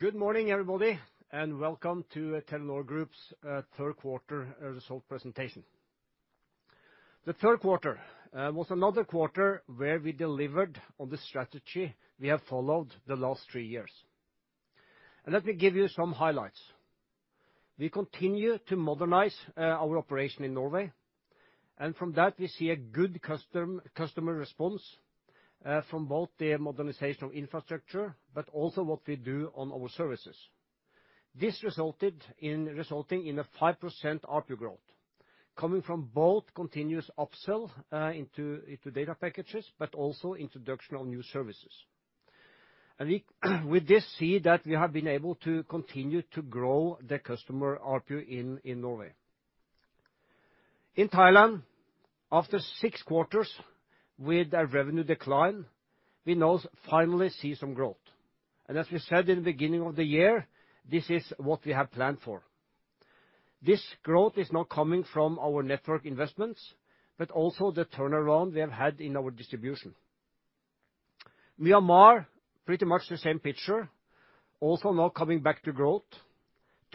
Good morning, everybody, and welcome to Telenor Group's third quarter result presentation. The third quarter was another quarter where we delivered on the strategy we have followed the last three years, and let me give you some highlights. We continue to modernize our operation in Norway, and from that, we see a good customer response from both the modernization of infrastructure, but also what we do on our services. Resulting in a 5% ARPU growth, coming from both continuous upsell into data packages, but also introduction of new services. And we, with this, see that we have been able to continue to grow the customer ARPU in Norway. In Thailand, after six quarters with a revenue decline, we now finally see some growth. As we said in the beginning of the year, this is what we have planned for. This growth is not coming from our network investments, but also the turnaround we have had in our distribution. Myanmar, pretty much the same picture, also now coming back to growth.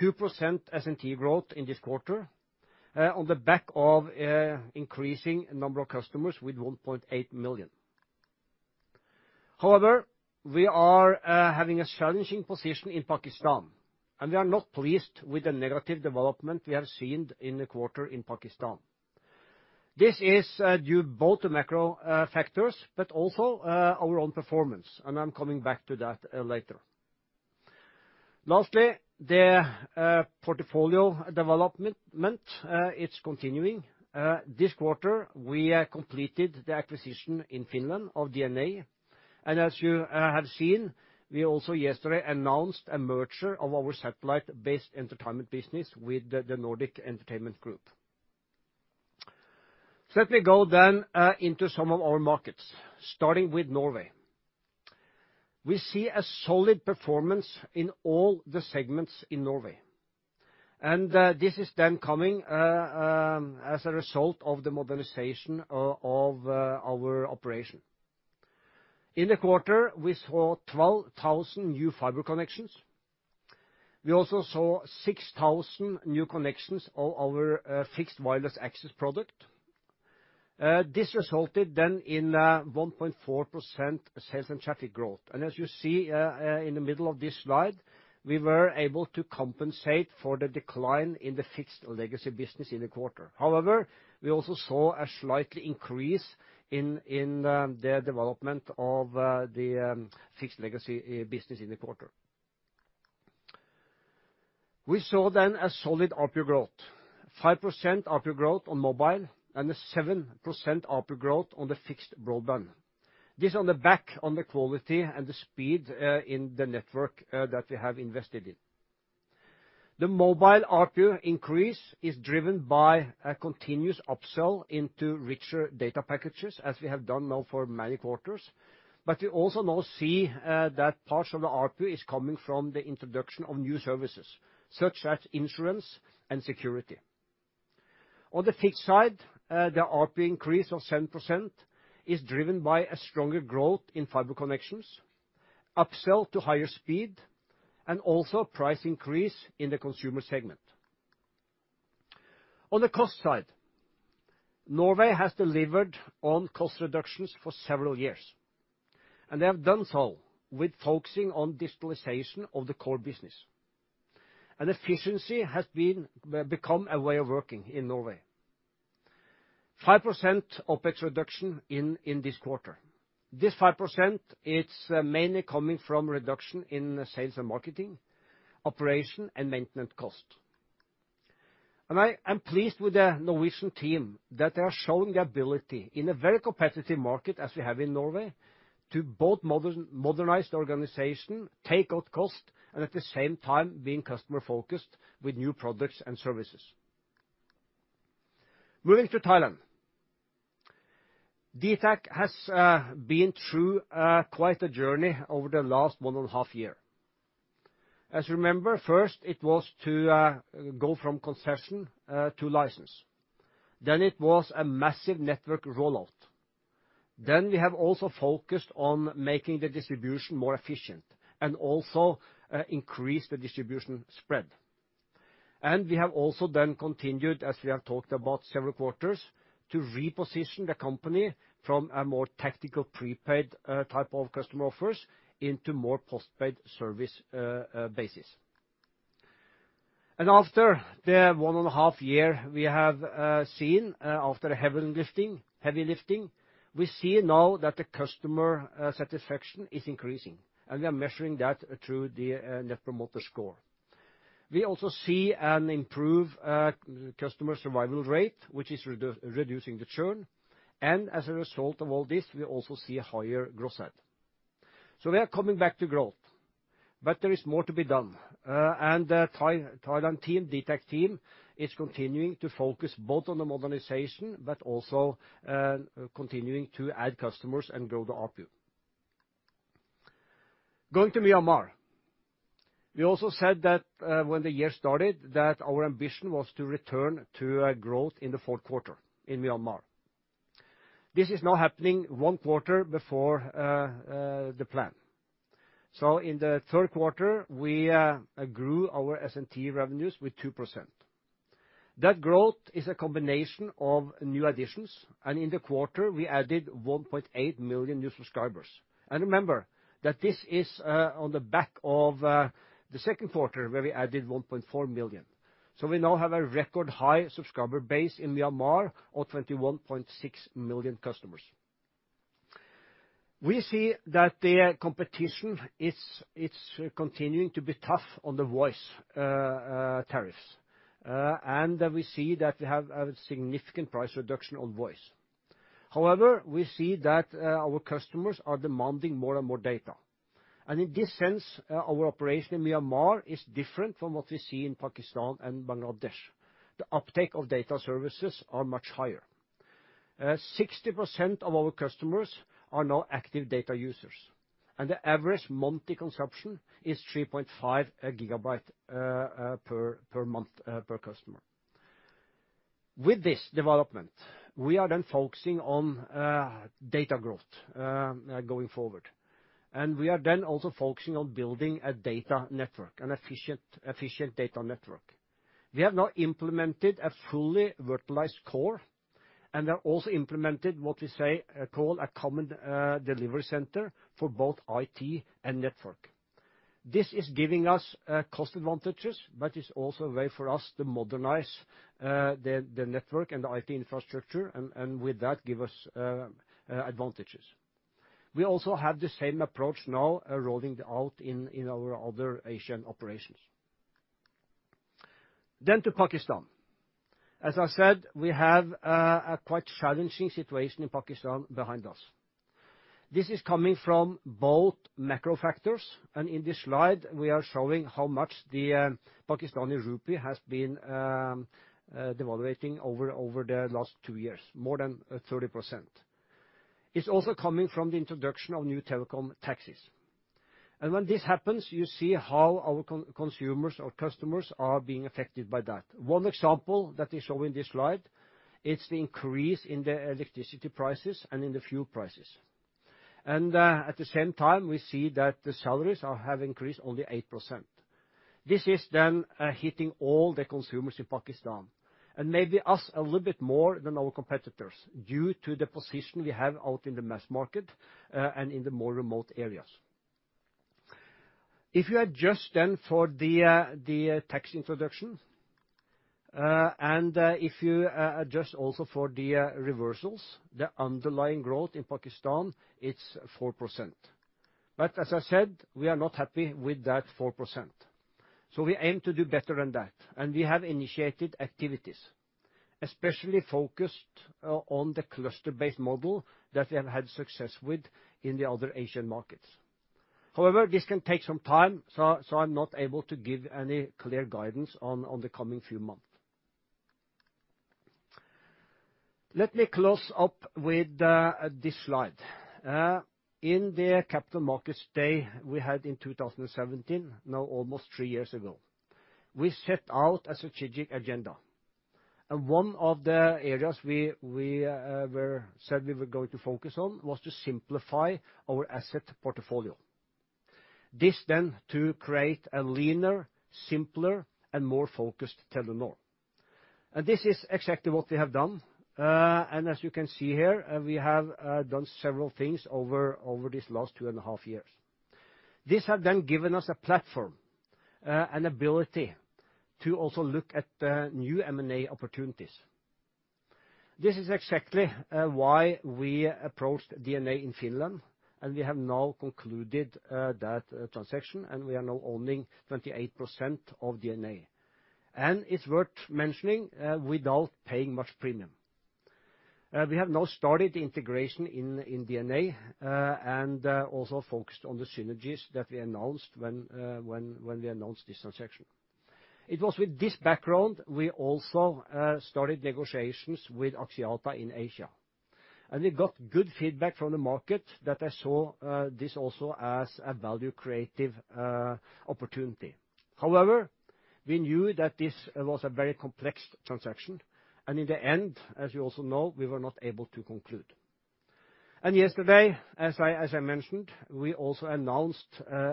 2% S&T growth in this quarter, on the back of increasing number of customers with 1.8 million. However, we are having a challenging position in Pakistan, and we are not pleased with the negative development we have seen in the quarter in Pakistan. This is due both to macro factors, but also our own performance, and I'm coming back to that later. Lastly, the portfolio development, it's continuing. This quarter, we have completed the acquisition in Finland of DNA, and as you have seen, we also yesterday announced a merger of our satellite-based entertainment business with the Nordic Entertainment Group. Let me go then into some of our markets, starting with Norway. We see a solid performance in all the segments in Norway, and this is then coming as a result of the modernization of our operation. In the quarter, we saw 12,000 new fiber connections. We also saw 6,000 new connections on our fixed wireless access product. This resulted then in 1.4% sales and traffic growth. And as you see in the middle of this slide, we were able to compensate for the decline in the fixed legacy business in the quarter. However, we also saw a slight increase in the development of Fixed Legacy Business in the quarter. We saw then a solid ARPU growth, 5% ARPU growth on mobile, and a 7% ARPU growth on the fixed broadband. This on the back on the quality and the speed in the network that we have invested in. The mobile ARPU increase is driven by a continuous upsell into richer data packages, as we have done now for many quarters. But we also now see that parts of the ARPU is coming from the introduction of new services, such as insurance and security. On the fixed side, the ARPU increase of 7% is driven by a stronger growth in fiber connections, upsell to higher speed, and also price increase in the consumer segment. On the cost side, Norway has delivered on cost reductions for several years, and they have done so with focusing on digitalization of the core business. Efficiency has been become a way of working in Norway. 5% OpEx reduction in this quarter. This 5%, it's mainly coming from reduction in sales and marketing, operation, and maintenance cost. I'm pleased with the Norwegian team, that they are showing the ability, in a very competitive market, as we have in Norway, to both modernize the organization, take out cost, and at the same time, being customer-focused with new products and services. Moving to Thailand. DTAC has been through quite a journey over the last one and a half year. As you remember, first it was to go from concession to license. Then it was a massive network rollout. Then we have also focused on making the distribution more efficient, and also increase the distribution spread. And we have also then continued, as we have talked about several quarters, to reposition the company from a more tactical, prepaid type of customer offers into more postpaid service basis. And after the one and a half year, we have seen, after a heavy lifting, we see now that the customer satisfaction is increasing, and we are measuring that through the Net Promoter Score. We also see an improved customer survival rate, which is reducing the churn, and as a result of all this, we also see a higher gross add. So we are coming back to growth, but there is more to be done. And the Thailand team, DTAC team, is continuing to focus both on the modernization, but also, continuing to add customers and grow the ARPU. Going to Myanmar. We also said that, when the year started, that our ambition was to return to, growth in the fourth quarter in Myanmar. This is now happening one quarter before, the plan. So in the third quarter, we, grew our S&T revenues with 2%. That growth is a combination of new additions, and in the quarter, we added 1.8 million new subscribers. And remember that this is, on the back of, the second quarter, where we added 1.4 million. So we now have a record high subscriber base in Myanmar of 21.6 million customers. We see that the competition it's continuing to be tough on the voice tariffs, and we see that we have a significant price reduction on voice. However, we see that our customers are demanding more and more data, and in this sense, our operation in Myanmar is different from what we see in Pakistan and Bangladesh. The uptake of data services are much higher. 60% of our customers are now active data users, and the average monthly consumption is 3.5 gigabyte per month per customer. With this development, we are then focusing on data growth going forward, and we are then also focusing on building a data network, an efficient data network. We have now implemented a fully virtualized core, and have also implemented what we call a common delivery center for both IT and network. This is giving us cost advantages, but it's also a way for us to modernize the network and the IT infrastructure, and with that, give us advantages. We also have the same approach now rolling out in our other Asian operations. Then to Pakistan. As I said, we have a quite challenging situation in Pakistan behind us. This is coming from both macro factors, and in this slide, we are showing how much the Pakistani rupee has been devaluing over the last two years, more than 30%. It's also coming from the introduction of new telecom taxes. When this happens, you see how our consumers or customers are being affected by that. One example that we show in this slide, it's the increase in the electricity prices and in the fuel prices. At the same time, we see that the salaries are have increased only 8%. This is then hitting all the consumers in Pakistan, and maybe us a little bit more than our competitors, due to the position we have out in the mass market and in the more remote areas. If you adjust then for the tax introduction, and if you adjust also for the reversals, the underlying growth in Pakistan, it's 4%. But as I said, we are not happy with that 4%, so we aim to do better than that, and we have initiated activities, especially focused on the cluster-based model that we have had success with in the other Asian markets. However, this can take some time, so I'm not able to give any clear guidance on the coming few months. Let me close up with this slide. In the Capital Markets Day we had in 2017, now almost three years ago, we set out a strategic agenda. And one of the areas we said we were going to focus on was to simplify our asset portfolio. This then to create a leaner, simpler, and more focused Telenor. This is exactly what we have done, and as you can see here, we have done several things over these last two and a half years. This has then given us a platform and ability to also look at new M&A opportunities. This is exactly why we approached DNA in Finland, and we have now concluded that transaction, and we are now owning 28% of DNA, and it's worth mentioning without paying much premium. We have now started the integration in DNA and also focused on the synergies that we announced when we announced this transaction. It was with this background, we also started negotiations with Axiata in Asia, and we got good feedback from the market that I saw this also as a value-creative opportunity. However, we knew that this was a very complex transaction, and in the end, as you also know, we were not able to conclude. And yesterday, as I mentioned, we also announced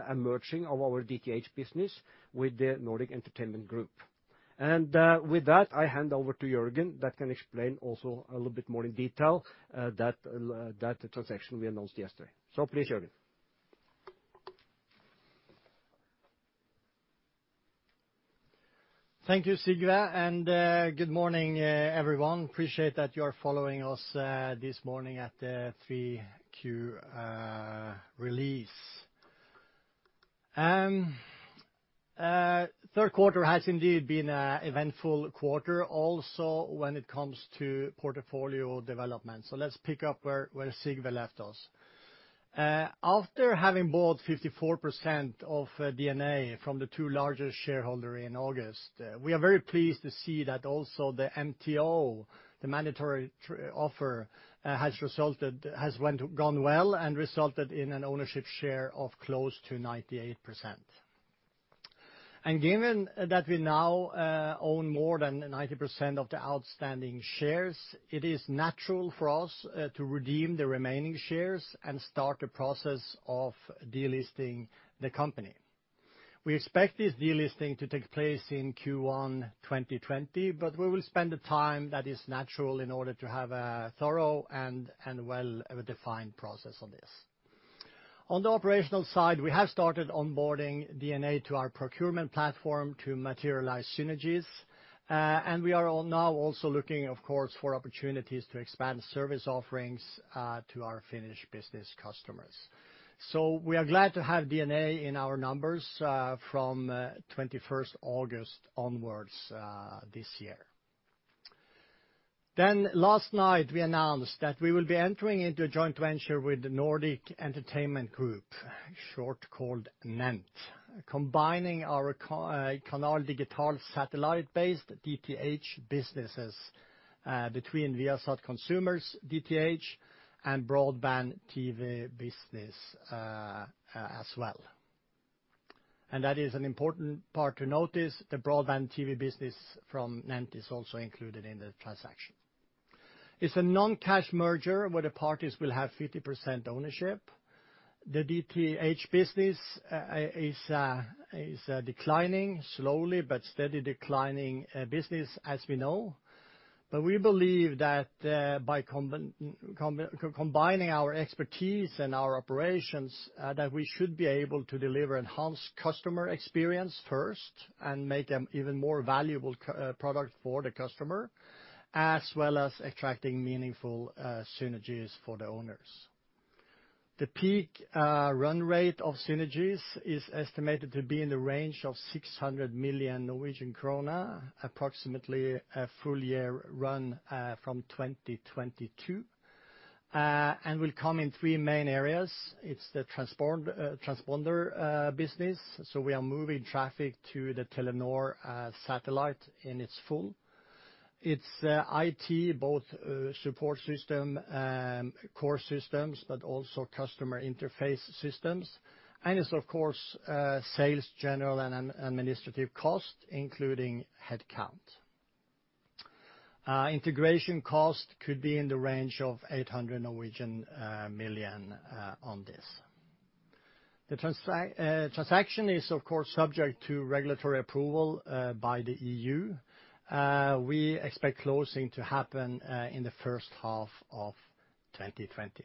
a merging of our DTH business with the Nordic Entertainment Group. And with that, I hand over to Jørgen, that can explain also a little bit more in detail, that transaction we announced yesterday. So please, Jørgen. Thank you, Sigve, and good morning, everyone. Appreciate that you are following us this morning at the 3Q release. Third quarter has indeed been an eventful quarter, also when it comes to portfolio development. So let's pick up where Sigve left us. After having bought 54% of DNA from the two largest shareholders in August, we are very pleased to see that also the MTO, the mandatory offer, has gone well and resulted in an ownership share of close to 98%.... And given that we now own more than 90% of the outstanding shares, it is natural for us to redeem the remaining shares and start the process of delisting the company. We expect this delisting to take place in Q1 2020, but we will spend the time that is natural in order to have a thorough and well-defined process on this. On the operational side, we have started onboarding DNA to our procurement platform to materialize synergies. And we are all now also looking, of course, for opportunities to expand service offerings to our Finnish business customers. So we are glad to have DNA in our numbers from 21st August onwards this year. Then last night, we announced that we will be entering into a joint venture with the Nordic Entertainment Group, short called NENT, combining our Canal Digital satellite-based DTH businesses between Viasat Consumer DTH and broadband TV business as well. And that is an important part to notice, the broadband TV business from NENT is also included in the transaction. It's a non-cash merger, where the parties will have 50% ownership. The DTH business is declining, slowly but steady declining business, as we know. But we believe that by combining our expertise and our operations that we should be able to deliver enhanced customer experience first, and make them even more valuable product for the customer, as well as attracting meaningful synergies for the owners. The peak run rate of synergies is estimated to be in the range of 600 million Norwegian krone, approximately a full year run from 2022. And will come in three main areas. It's the transponder business, so we are moving traffic to the Telenor satellite in its full. It's IT, both support system core systems, but also customer interface systems. It's, of course, sales, general, and administrative costs, including headcount. Integration cost could be in the range of 800 million on this. The transaction is, of course, subject to regulatory approval by the EU. We expect closing to happen in the first half of 2020.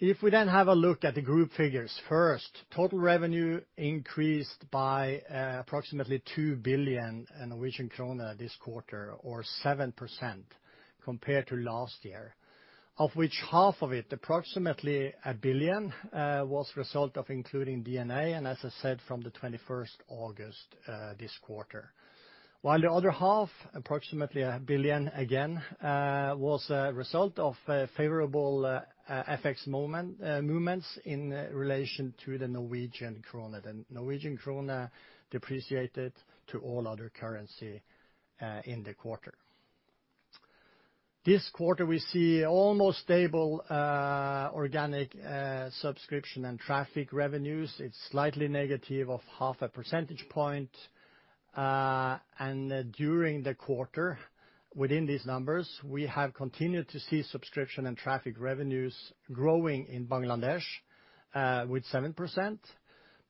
If we then have a look at the group figures, first, total revenue increased by approximately 2 billion Norwegian kroner this quarter, or 7% compared to last year, of which half of it, approximately 1 billion, was result of including DNA, and as I said, from the 21st August this quarter. While the other half, approximately 1 billion, again, was a result of a favorable FX movements in relation to the Norwegian kroner. The Norwegian kroner depreciated to all other currency in the quarter. This quarter, we see almost stable organic subscription and traffic revenues. It's slightly negative 0.5 percentage points. And during the quarter, within these numbers, we have continued to see subscription and traffic revenues growing in Bangladesh with 7%.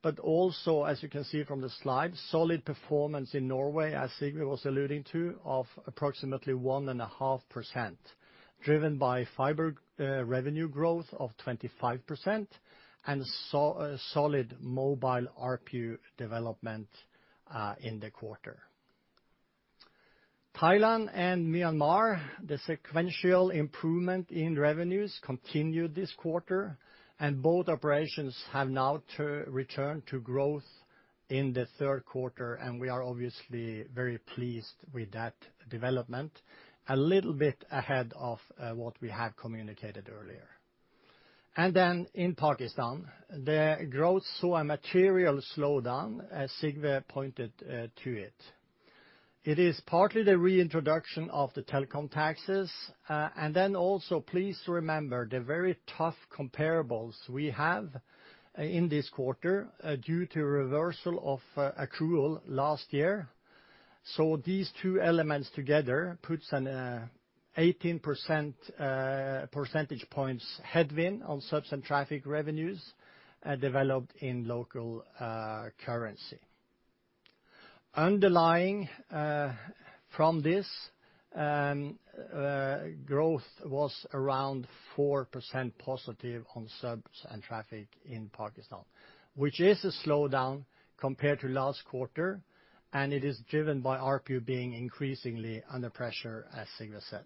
But also, as you can see from the slide, solid performance in Norway, as Sigve was alluding to, of approximately 1.5%, driven by fiber revenue growth of 25%, and solid mobile ARPU development in the quarter. Thailand and Myanmar, the sequential improvement in revenues continued this quarter, and both operations have now returned to growth in the third quarter, and we are obviously very pleased with that development. A little bit ahead of what we have communicated earlier. And then in Pakistan, the growth saw a material slowdown, as Sigve pointed to it. It is partly the reintroduction of the telecom taxes, and then also, please remember the very tough comparables we have in this quarter, due to reversal of accrual last year. So these two elements together puts an 18 percentage points headwind on subs and traffic revenues, developed in local currency. Underlying, from this, growth was around 4% positive on subs and traffic in Pakistan, which is a slowdown compared to last quarter, and it is driven by ARPU being increasingly under pressure, as Sigve said.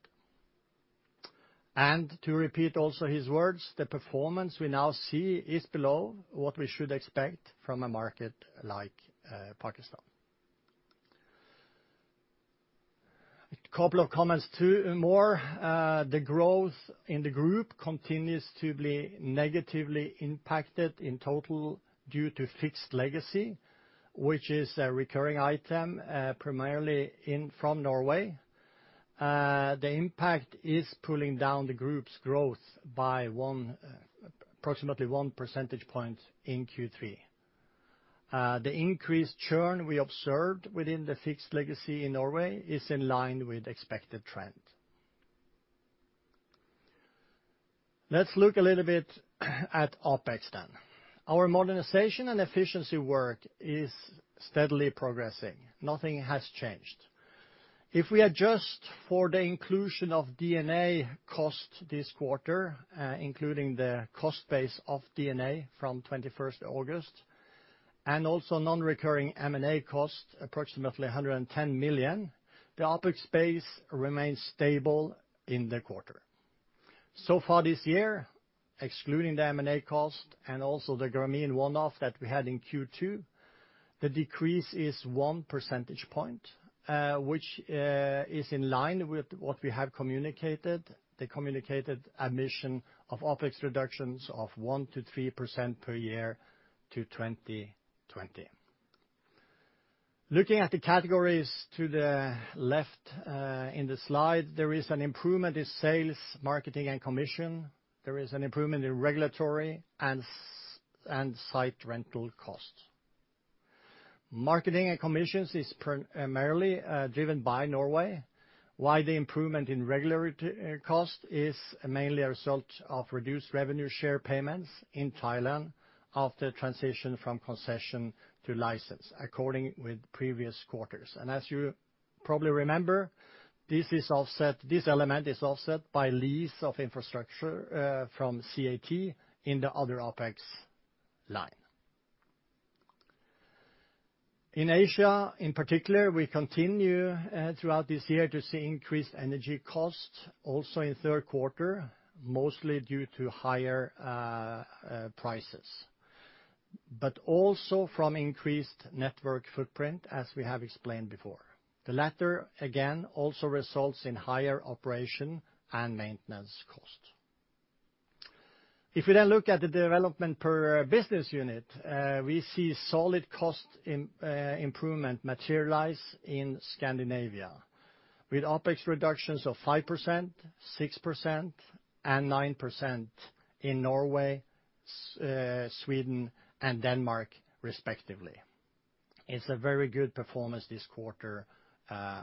And to repeat also his words, "The performance we now see is below what we should expect from a market like Pakistan." A couple of comments, too, and more, the growth in the group continues to be negatively impacted in total due to fixed legacy, which is a recurring item, primarily from Norway. The impact is pulling down the group's growth by approximately 1 percentage point in Q3. The increased churn we observed within the fixed legacy in Norway is in line with expected trend. Let's look a little bit at OpEx then. Our modernization and efficiency work is steadily progressing, nothing has changed. If we adjust for the inclusion of DNA cost this quarter, including the cost base of DNA from 21st August, and also non-recurring M&A costs, approximately 110 million, the OpEx base remains stable in the quarter. So far this year, excluding the M&A cost and also the Grameen one-off that we had in Q2, the decrease is 1 percentage point, which is in line with what we have communicated, the communicated ambition of OpEx reductions of 1%-3% per year to 2020. Looking at the categories to the left in the slide, there is an improvement in sales, marketing, and commission. There is an improvement in regulatory and site rental costs. Marketing and commissions is primarily driven by Norway, while the improvement in regulatory cost is mainly a result of reduced revenue share payments in Thailand after transition from concession to license, according with previous quarters. And as you probably remember, this is offset - this element is offset by lease of infrastructure from CAT in the other OpEx line. In Asia, in particular, we continue throughout this year to see increased energy costs, also in third quarter, mostly due to higher prices, but also from increased network footprint, as we have explained before. The latter, again, also results in higher operation and maintenance cost. If we then look at the development per business unit, we see solid cost improvement materialize in Scandinavia, with OpEx reductions of 5%, 6%, and 9% in Norway, Sweden, and Denmark, respectively. It's a very good performance this quarter,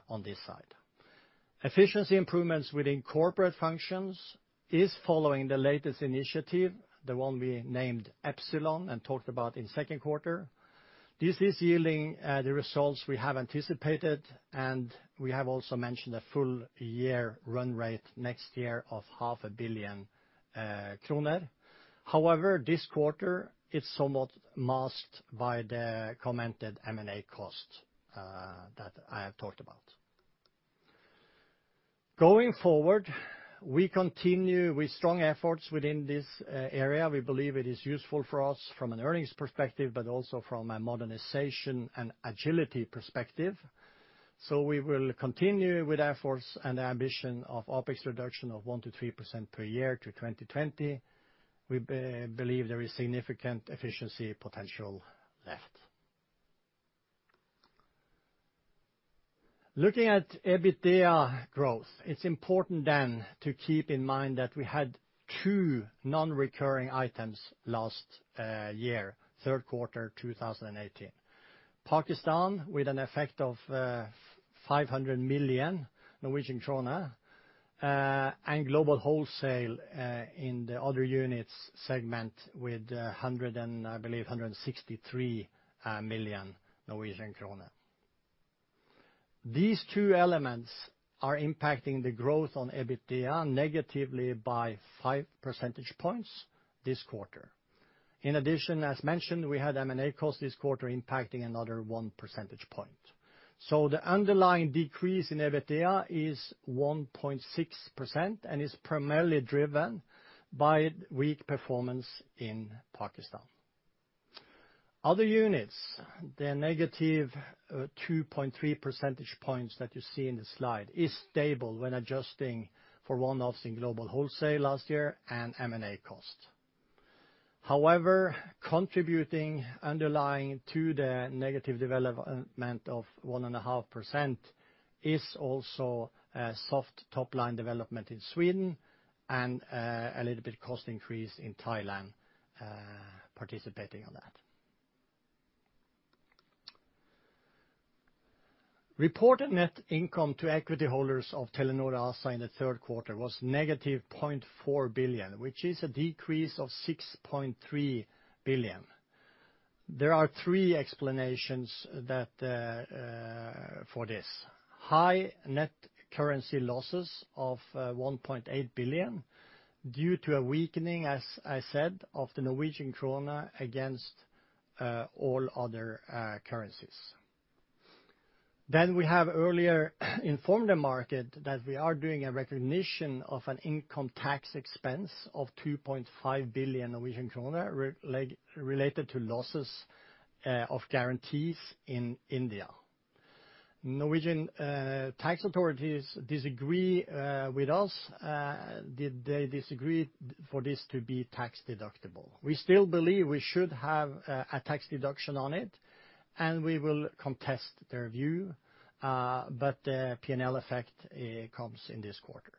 on this side. Efficiency improvements within corporate functions is following the latest initiative, the one we named Epsilon and talked about in second quarter. This is yielding the results we have anticipated, and we have also mentioned a full year run rate next year of 500 million kroner. However, this quarter, it's somewhat masked by the commented M&A cost that I have talked about. Going forward, we continue with strong efforts within this area. We believe it is useful for us from an earnings perspective, but also from a modernization and agility perspective. So we will continue with efforts and ambition of OpEx reduction of 1%-3% per year to 2020. We believe there is significant efficiency potential left. Looking at EBITDA growth, it's important then to keep in mind that we had two non-recurring items last year, third quarter 2018. Pakistan, with an effect of 500 million Norwegian krone, and global wholesale in the other units segment with 100 million and, I believe, 163 million Norwegian kroner. These two elements are impacting the growth on EBITDA negatively by five percentage points this quarter. In addition, as mentioned, we had M&A costs this quarter impacting another one percentage point. So the underlying decrease in EBITDA is 1.6%, and is primarily driven by weak performance in Pakistan. Other units, the negative 2.3 percentage points that you see in the slide, is stable when adjusting for one-offs in global wholesale last year and M&A costs. However, contributing underlying to the negative development of 1.5% is also a soft top line development in Sweden, and a little bit cost increase in Thailand, participating on that. Reported net income to equity holders of Telenor ASA in the third quarter was negative 0.4 billion, which is a decrease of 6.3 billion. There are three explanations that for this. High net currency losses of 1.8 billion, due to a weakening, as I said, of the Norwegian kroner against all other currencies. Then we have earlier informed the market that we are doing a recognition of an income tax expense of 2.5 billion Norwegian kroner related to losses of guarantees in India. Norwegian tax authorities disagree with us. They disagree for this to be tax deductible. We still believe we should have a tax deduction on it, and we will contest their view, but the P&L effect comes in this quarter.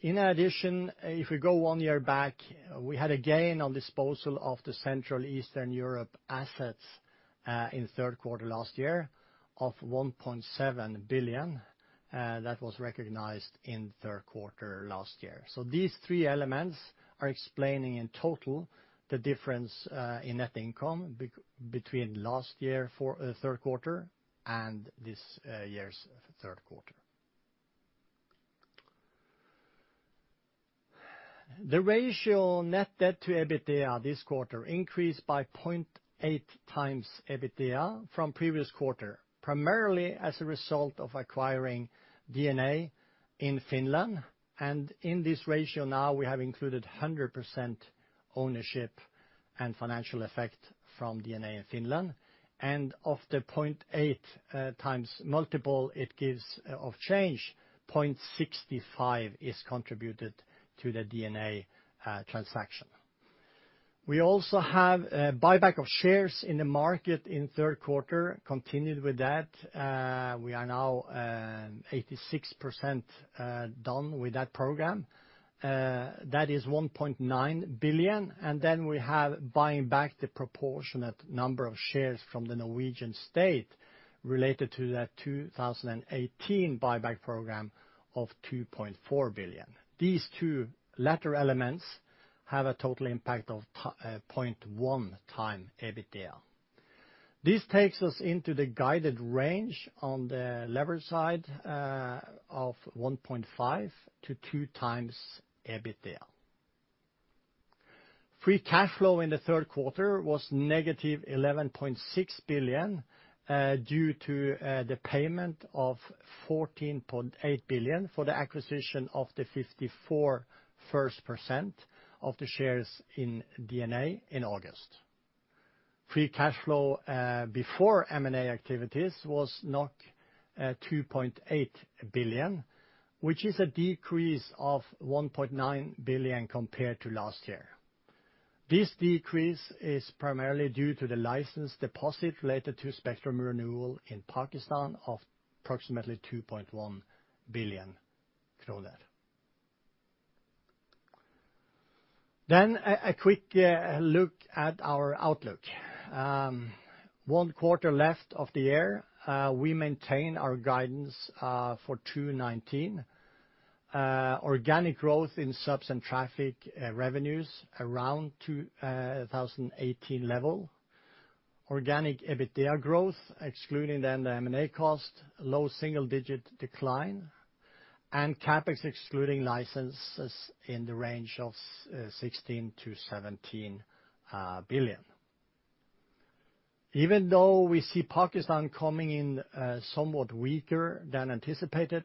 In addition, if we go one year back, we had a gain on disposal of the Central Eastern Europe assets in the third quarter last year of 1.7 billion, and that was recognized in the third quarter last year. So these three elements are explaining, in total, the difference in net income between last year for the third quarter and this year's third quarter. The ratio net debt to EBITDA this quarter increased by 0.8x EBITDA from previous quarter, primarily as a result of acquiring DNA in Finland. In this ratio now, we have included 100% ownership and financial effect from DNA in Finland. Of the 0.8x multiple, it gives of change 0.65 is contributed to the DNA transaction. We also have a buyback of shares in the market in the third quarter, continued with that. We are now 86% done with that program. That is 1.9 billion, and then we have buying back the proportionate number of shares from the Norwegian state related to that 2018 buyback program of 2.4 billion. These two latter elements have a total impact of 0.1x EBITDA. This takes us into the guided range on the lever side of 1.5x-2x EBITDA. Free cash flow in the third quarter was -11.6 billion due to the payment of 14.8 billion for the acquisition of the 54.1 percent of the shares in DNA in August. Free cash flow before M&A activities was 2.8 billion, which is a decrease of 1.9 billion compared to last year. This decrease is primarily due to the license deposit related to spectrum renewal in Pakistan of approximately 2.1 billion kroner. Then a quick look at our outlook. One quarter left of the year, we maintain our guidance for 2019. Organic growth in subs and traffic revenues around 2018 level. Organic EBITDA growth, excluding then the M&A cost, low single digit decline, and CapEx, excluding licenses, in the range of 16-17 billion. Even though we see Pakistan coming in somewhat weaker than anticipated,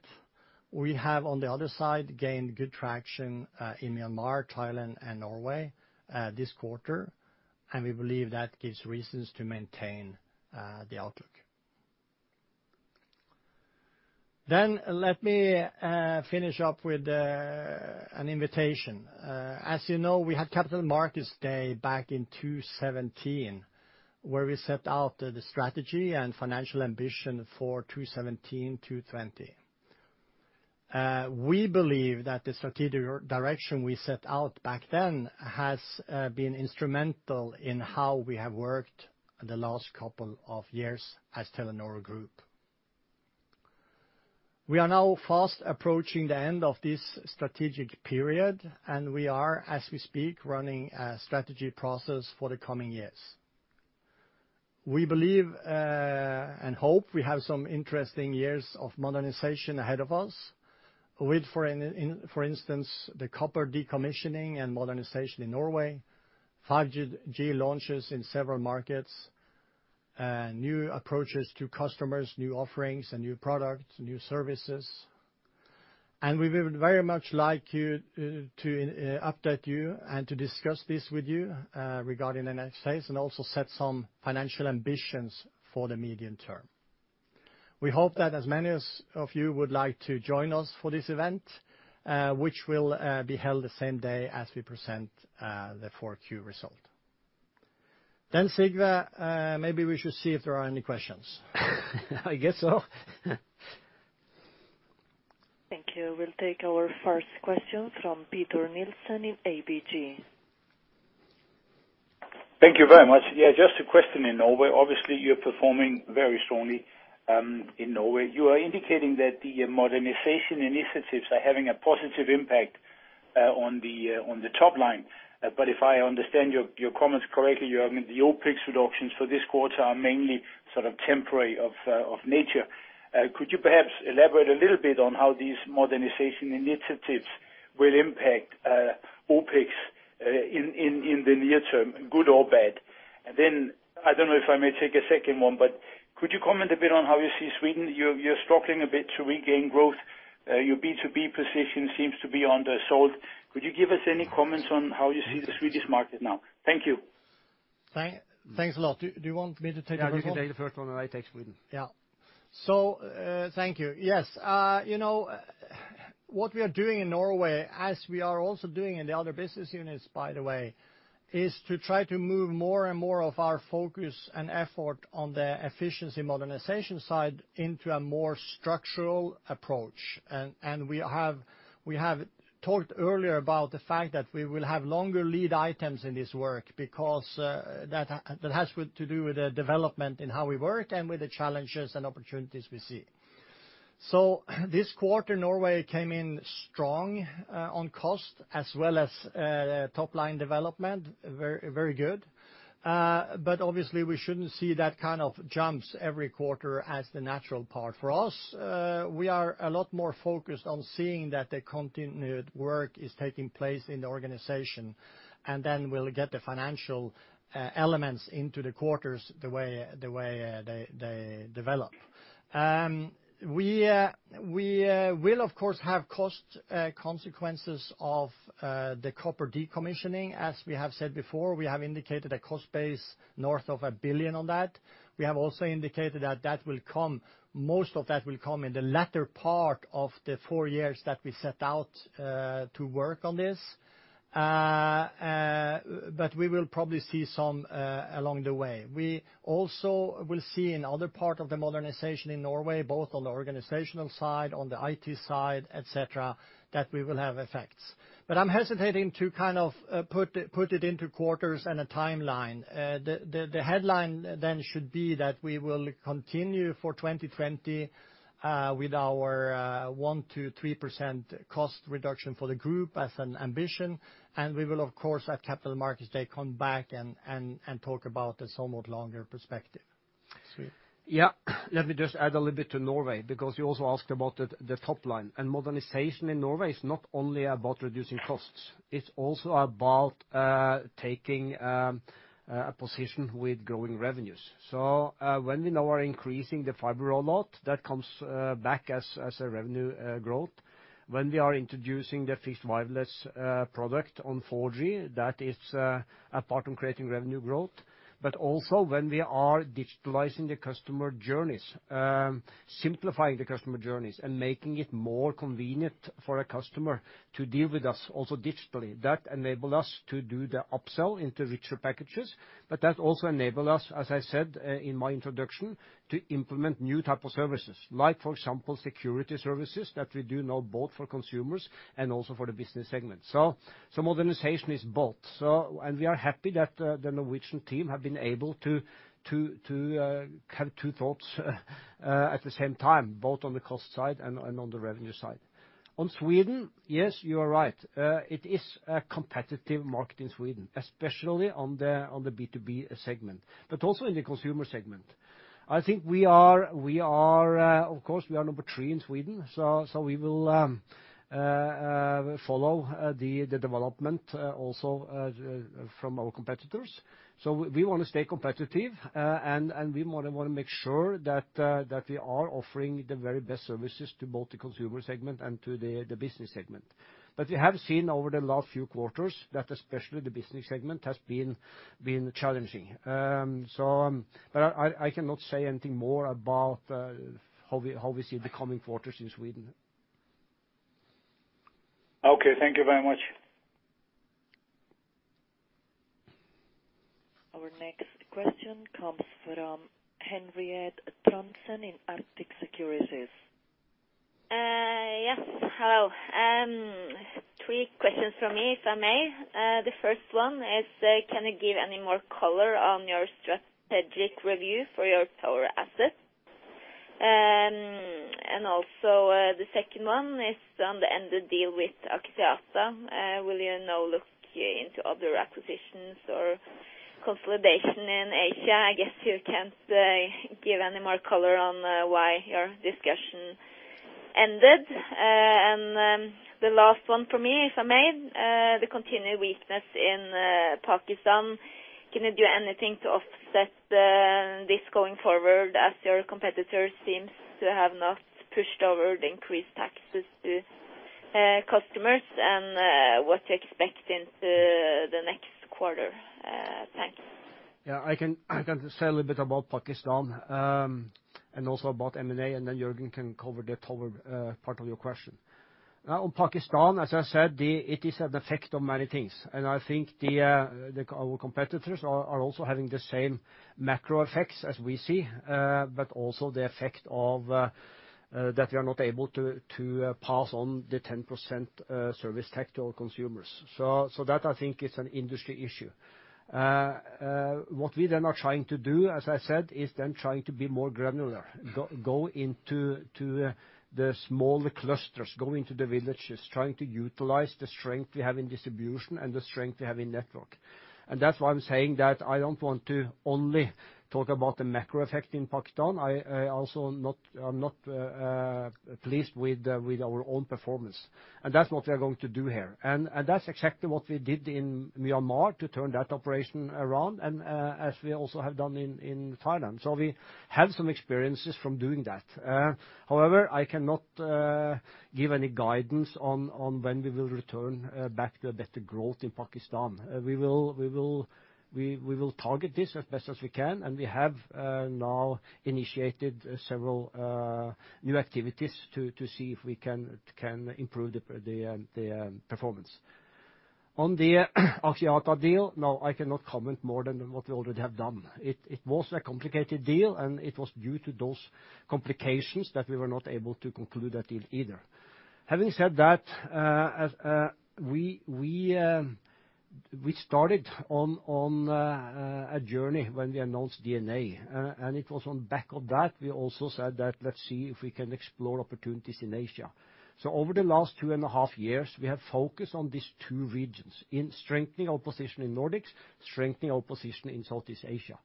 we have, on the other side, gained good traction in Myanmar, Thailand, and Norway this quarter, and we believe that gives reasons to maintain the outlook. Then let me finish up with an invitation. As you know, we had Capital Markets Day back in 2017, where we set out the strategy and financial ambition for 2017 to 2020. We believe that the strategic direction we set out back then has been instrumental in how we have worked the last couple of years as Telenor Group. We are now fast approaching the end of this strategic period, and we are, as we speak, running a strategy process for the coming years. We believe and hope we have some interesting years of modernization ahead of us, with, for instance, the copper decommissioning and modernization in Norway, 5G launches in several markets, new approaches to customers, new offerings and new products, new services. And we would very much like you to update you and to discuss this with you, regarding the next phase, and also set some financial ambitions for the medium term. We hope that as many as of you would like to join us for this event, which will be held the same day as we present the 4Q result. Then, Sigve, maybe we should see if there are any questions. I guess so. Thank you. We'll take our first question from Peter Nielsen in ABG. Thank you very much. Yeah, just a question in Norway. Obviously, you're performing very strongly in Norway. You are indicating that the modernization initiatives are having a positive impact on the top line. But if I understand your comments correctly, you mean the OpEx reductions for this quarter are mainly sort of temporary of nature. Could you perhaps elaborate a little bit on how these modernization initiatives will impact OpEx in the near term, good or bad? And then, I don't know if I may take a second one, but could you comment a bit on how you see Sweden? You're struggling a bit to regain growth. Your B2B position seems to be under assault. Could you give us any comments on how you see the Swedish market now? Thank you. Thanks a lot. Do you want me to take that one? Yeah, you can take the first one, and I take Sweden. Yeah. So, thank you. Yes, you know, what we are doing in Norway, as we are also doing in the other business units, by the way, is to try to move more and more of our focus and effort on the efficiency modernization side into a more structural approach. And we have talked earlier about the fact that we will have longer lead times in this work because that has to do with the development in how we work and with the challenges and opportunities we see. So this quarter, Norway came in strong on cost as well as top line development. Very, very good. But obviously we shouldn't see that kind of jumps every quarter as the natural part. For us, we are a lot more focused on seeing that the continued work is taking place in the organization, and then we'll get the financial elements into the quarters the way they develop. We will of course have cost consequences of the copper decommissioning. As we have said before, we have indicated a cost base north of 1 billion on that. We have also indicated that that will come, most of that will come in the latter part of the four years that we set out to work on this. But we will probably see some along the way. We also will see in other part of the modernization in Norway, both on the organizational side, on the IT side, et cetera, that we will have effects. But I'm hesitating to kind of put it into quarters and a timeline. The headline then should be that we will continue for 2020 with our 1%-3% cost reduction for the group as an ambition. And we will, of course, at Capital Markets Day, come back and talk about this somewhat longer perspective. Sweden? Yeah. Let me just add a little bit to Norway, because you also asked about the top line. Modernization in Norway is not only about reducing costs, it's also about taking a position with growing revenues. So, when we now are increasing the fiber rollout, that comes back as a revenue growth. When we are introducing the fixed wireless product on 4G, that is a part in creating revenue growth. But also when we are digitalizing the customer journeys, simplifying the customer journeys, and making it more convenient for a customer to deal with us also digitally, that enable us to do the upsell into richer packages. But that also enable us, as I said in my introduction, to implement new type of services, like, for example, security services, that we do now both for consumers and also for the business segment. So modernization is both. And we are happy that the Norwegian team have been able to have two thoughts at the same time, both on the cost side and on the revenue side. On Sweden, yes, you are right. It is a competitive market in Sweden, especially on the B2B segment, but also in the consumer segment. I think we are, of course, we are number three in Sweden, so we will follow the development also from our competitors. So we want to stay competitive, and we wanna make sure that we are offering the very best services to both the consumer segment and to the business segment. But we have seen over the last few quarters that especially the Business Segment has been challenging. But I cannot say anything more about how we see the coming quarters in Sweden. Okay, thank you very much. Our next question comes from Henriette Trondsen in Arctic Securities. Yes, hello. Three questions from me, if I may. The first one is, can you give any more color on your strategic review for your tower assets? And also, the second one is on the ended deal with Axiata. Will you now look into other acquisitions or consolidation in Asia? I guess you can't give any more color on why your discussion ended. And then the last one for me, if I may, the continued weakness in Pakistan, can you do anything to offset this going forward as your competitor seems to have not pushed over the increased taxes to customers? And what to expect in the next quarter? Thanks. Yeah, I can, I can say a little bit about Pakistan, and also about M&A, and then Jørgen can cover the tower part of your question. On Pakistan, as I said, it is an effect of many things, and I think our competitors are also having the same macro effects as we see, but also the effect of that we are not able to pass on the 10% service tax to our consumers. So that, I think, is an industry issue. What we then are trying to do, as I said, is then trying to be more granular. Go into the smaller clusters, going to the villages, trying to utilize the strength we have in distribution and the strength we have in network. That's why I'm saying that I don't want to only talk about the macro effect in Pakistan. I'm also not pleased with our own performance, and that's what we are going to do here. That's exactly what we did in Myanmar to turn that operation around, and as we also have done in Thailand. So we have some experiences from doing that. However, I cannot give any guidance on when we will return back to a better growth in Pakistan. We will target this as best as we can, and we have now initiated several new activities to see if we can improve the performance. On the Axiata deal, no, I cannot comment more than what we already have done. It was a complicated deal, and it was due to those complications that we were not able to conclude that deal either. Having said that, as we started on a journey when we announced DNA, and it was on back of that, we also said that let's see if we can explore opportunities in Asia. So over the last 2.5 years, we have focused on these two regions, in strengthening our position in Nordics, strengthening our position in Southeast Asia.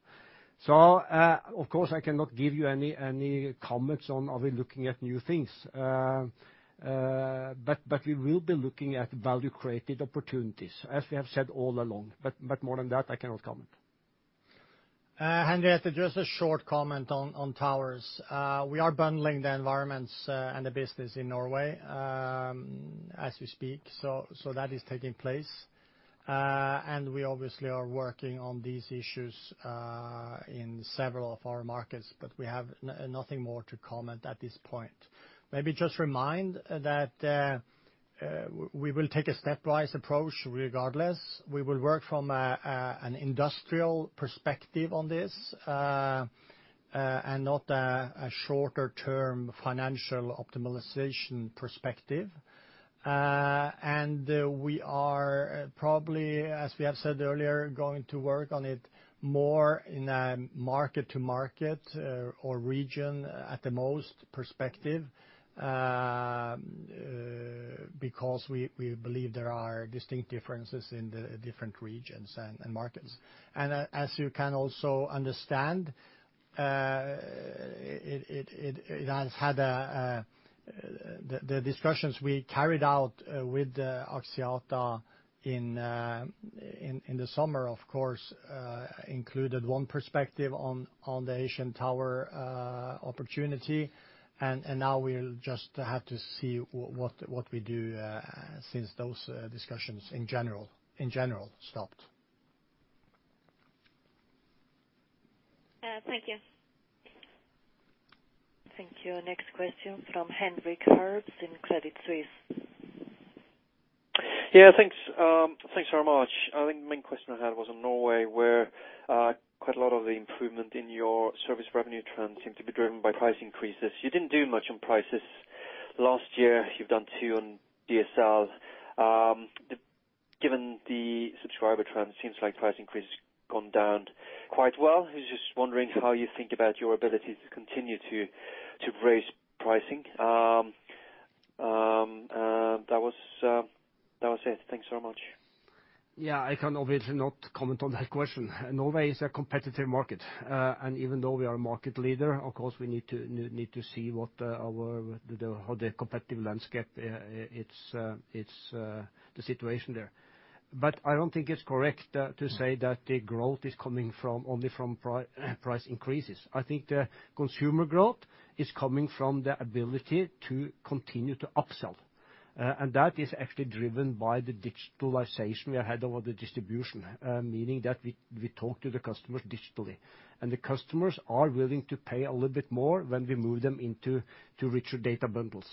So, of course, I cannot give you any comments on are we looking at new things? But we will be looking at value-created opportunities, as we have said all along. But more than that, I cannot comment. Henriette, just a short comment on towers. We are bundling the environments and the business in Norway as we speak. So that is taking place. And we obviously are working on these issues in several of our markets, but we have nothing more to comment at this point. Maybe just remind that we will take a stepwise approach regardless. We will work from an industrial perspective on this and not a shorter-term financial optimization perspective. And we are probably, as we have said earlier, going to work on it more in a market-to-market or region at the most perspective because we believe there are distinct differences in the different Regions and Markets. As you can also understand, it has had—the discussions we carried out with the Axiata in the summer, of course, included one perspective on the Asian tower opportunity. And now we'll just have to see what we do since those discussions in general stopped. Thank you. Thank you. Next question from Henrik Herbst in Credit Suisse. Yeah, thanks, thanks very much. I think the main question I had was on Norway, where, quite a lot of the improvement in your service revenue trends seem to be driven by price increases. You didn't do much on prices last year. You've done two on DSL. Given the subscriber trend, it seems like price increase has gone down quite well. I was just wondering how you think about your ability to continue to, to raise pricing. That was, that was it. Thanks so much. Yeah, I can obviously not comment on that question. Norway is a competitive market, and even though we are a market leader, of course, we need to see what the competitive landscape is, the situation there. But I don't think it's correct to say that the growth is coming from only from price increases. I think the consumer growth is coming from the ability to continue to upsell, and that is actually driven by the digitalization we had over the distribution, meaning that we talk to the customers digitally. And the customers are willing to pay a little bit more when we move them into richer data bundles.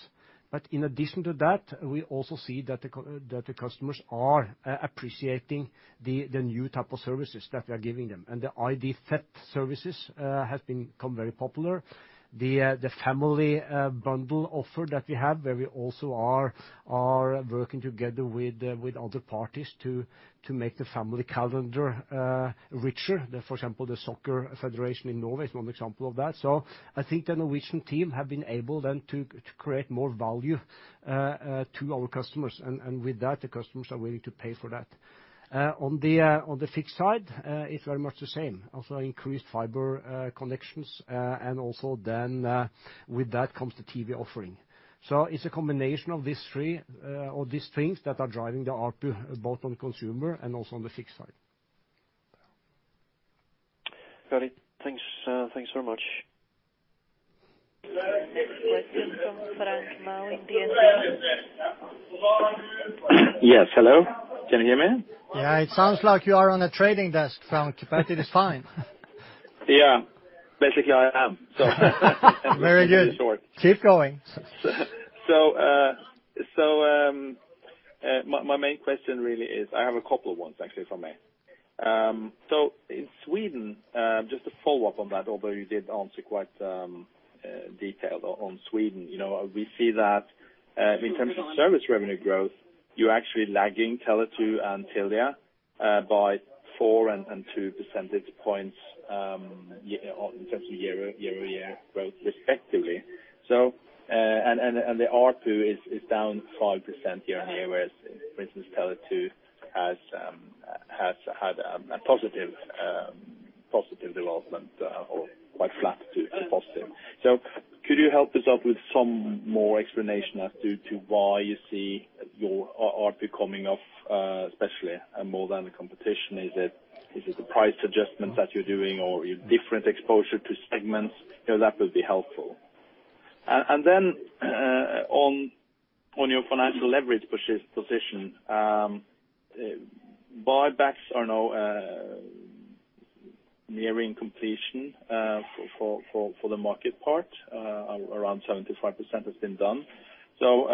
But in addition to that, we also see that the customers are appreciating the new type of services that we are giving them. And the ID theft services has become very popular. The family bundle offer that we have, where we also are working together with other parties to make the family calendar richer. For example, the soccer federation in Norway is one example of that. So I think the Norwegian team have been able then to create more value to our customers, and with that, the customers are willing to pay for that. On the fixed side, it's very much the same. Also increased Fiber Connections, and also then with that comes the TV offering. So it's a combination of these three, or these things that are driving the ARPU, both on consumer and also on the fixed side. Got it. Thanks. Thanks very much. Next question from Frank Maaø in DNB. Yes, hello? Can you hear me? Yeah, it sounds like you are on a trading desk, Frank, but it is fine. Yeah, basically, I am, so. Very good. Keep going. So, my main question really is... I have a couple of ones, actually, for me. So in Sweden, just a follow-up on that, although you did answer quite detailed on Sweden. You know, we see that, in terms of service revenue growth, you're actually lagging Tele2 and Telia by four and two percentage points, yeah, in terms of year-on-year growth respectively. So, and the ARPU is down 5% year-on-year, whereas, for instance, Tele2 has had a positive development, or quite flat to positive. So could you help us out with some more explanation as to why you see your ARPU coming off, especially and more than the competition? Is it, is it the price adjustments that you're doing or your different exposure to segments? You know, that would be helpful. And then, on your financial leverage position, buybacks are now nearing completion, for the market part, around 75% has been done. So,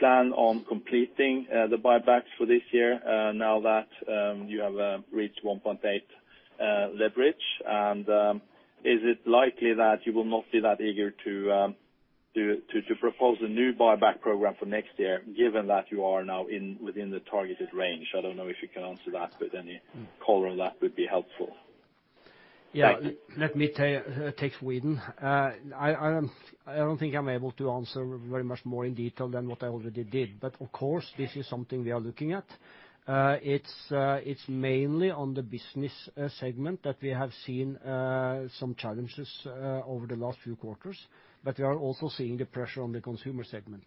do you plan on completing the buybacks for this year, now that you have reached 1.8 leverage? And, is it likely that you will not be that eager to propose a new buyback program for next year, given that you are now within the targeted range? I don't know if you can answer that, but any color on that would be helpful. Yeah. Let me tell you, take Sweden. I don't think I'm able to answer very much more in detail than what I already did. But of course, this is something we are looking at. It's mainly on the business segment that we have seen some challenges over the last few quarters, but we are also seeing the pressure on the consumer segment.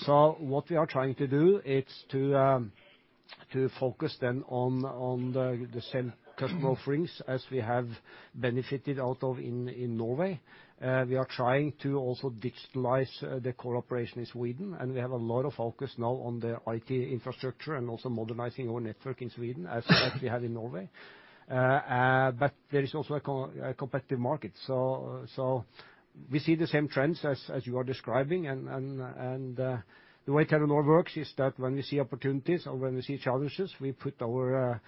So what we are trying to do, it's to focus then on the same customer offerings as we have benefited out of in Norway. We are trying to also digitalize the cooperation in Sweden, and we have a lot of focus now on the IT infrastructure and also modernizing our network in Sweden, as we have in Norway. But there is also a Competitive Market. We see the same trends as you are describing, and the way Telenor works is that when we see opportunities or when we see challenges, we put our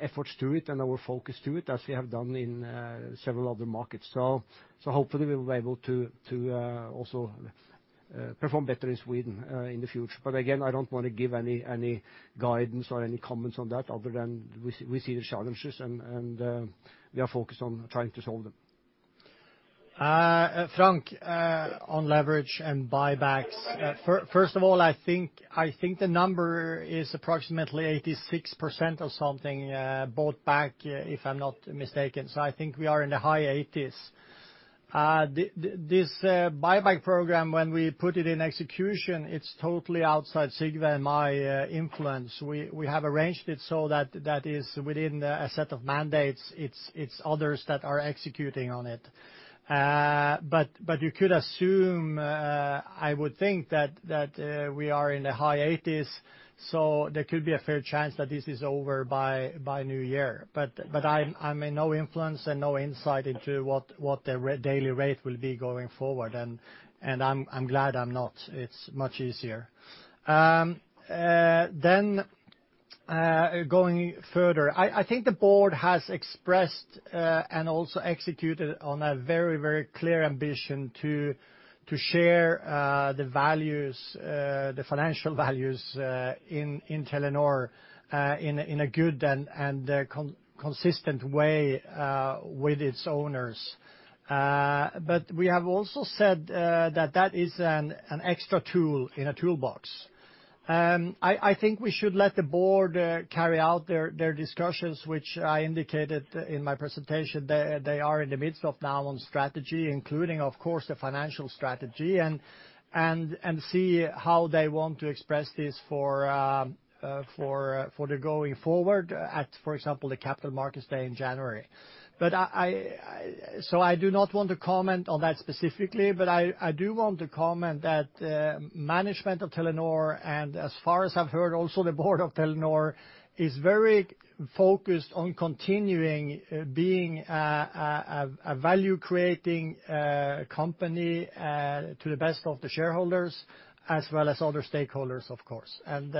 efforts to it and our focus to it, as we have done in several other markets. So hopefully, we will be able to also perform better in Sweden in the future. But again, I don't want to give any guidance or any comments on that, other than we see the challenges, and we are focused on trying to solve them. Frank, on leverage and buybacks. First of all, I think the number is approximately 86% or something bought back, if I'm not mistaken, so I think we are in the high 80s. This buyback program, when we put it in execution, it's totally outside Sigve and my influence. We have arranged it so that that is within a set of mandates. It's others that are executing on it. But you could assume, I would think that we are in the high 80s, so there could be a fair chance that this is over by New Year. But I'm in no influence and no insight into what the daily rate will be going forward, and I'm glad I'm not. It's much easier. Then, going further, I think the board has expressed and also executed on a very, very clear ambition to share the values, the financial values, in Telenor, in a good and consistent way with its owners. But we have also said that that is an extra tool in a Toolbox. I think we should let the board carry out their discussions, which I indicated in my presentation, they are in the midst of now on strategy, including, of course, the financial strategy, and see how they want to express this for the going forward at, for example, the Capital Markets Day in January. But so I do not want to comment on that specifically, but I do want to comment that management of Telenor, and as far as I've heard, also the board of Telenor, is very focused on continuing being a value-creating company to the best of the shareholders, as well as other stakeholders, of course. And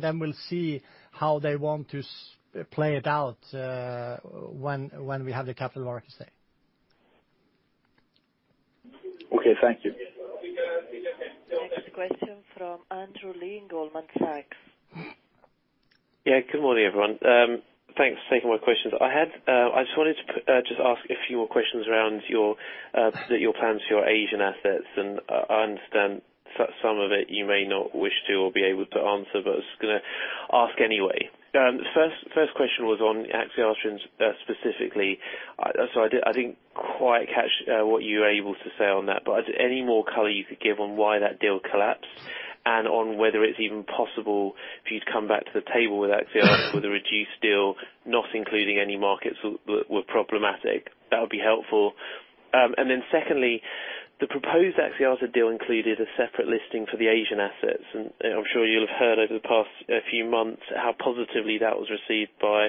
then we'll see how they want to play it out when we have the Capital Markets Day. Okay, thank you. Next question from Andrew Lee, Goldman Sachs. Yeah, good morning, everyone. Thanks for taking my questions. I just wanted to just ask a few more questions around your your plans for your Asian assets, and I understand some of it you may not wish to or be able to answer, but I was gonna ask anyway. First question was on Axiata, specifically. So I didn't quite catch what you were able to say on that, but any more color you could give on why that deal collapsed, and on whether it's even possible if you'd come back to the table with Axiata with a reduced deal, not including any markets that were problematic? That would be helpful. And then secondly, the proposed Axiata deal included a separate listing for the Asian assets, and I'm sure you'll have heard over the past few months how positively that was received by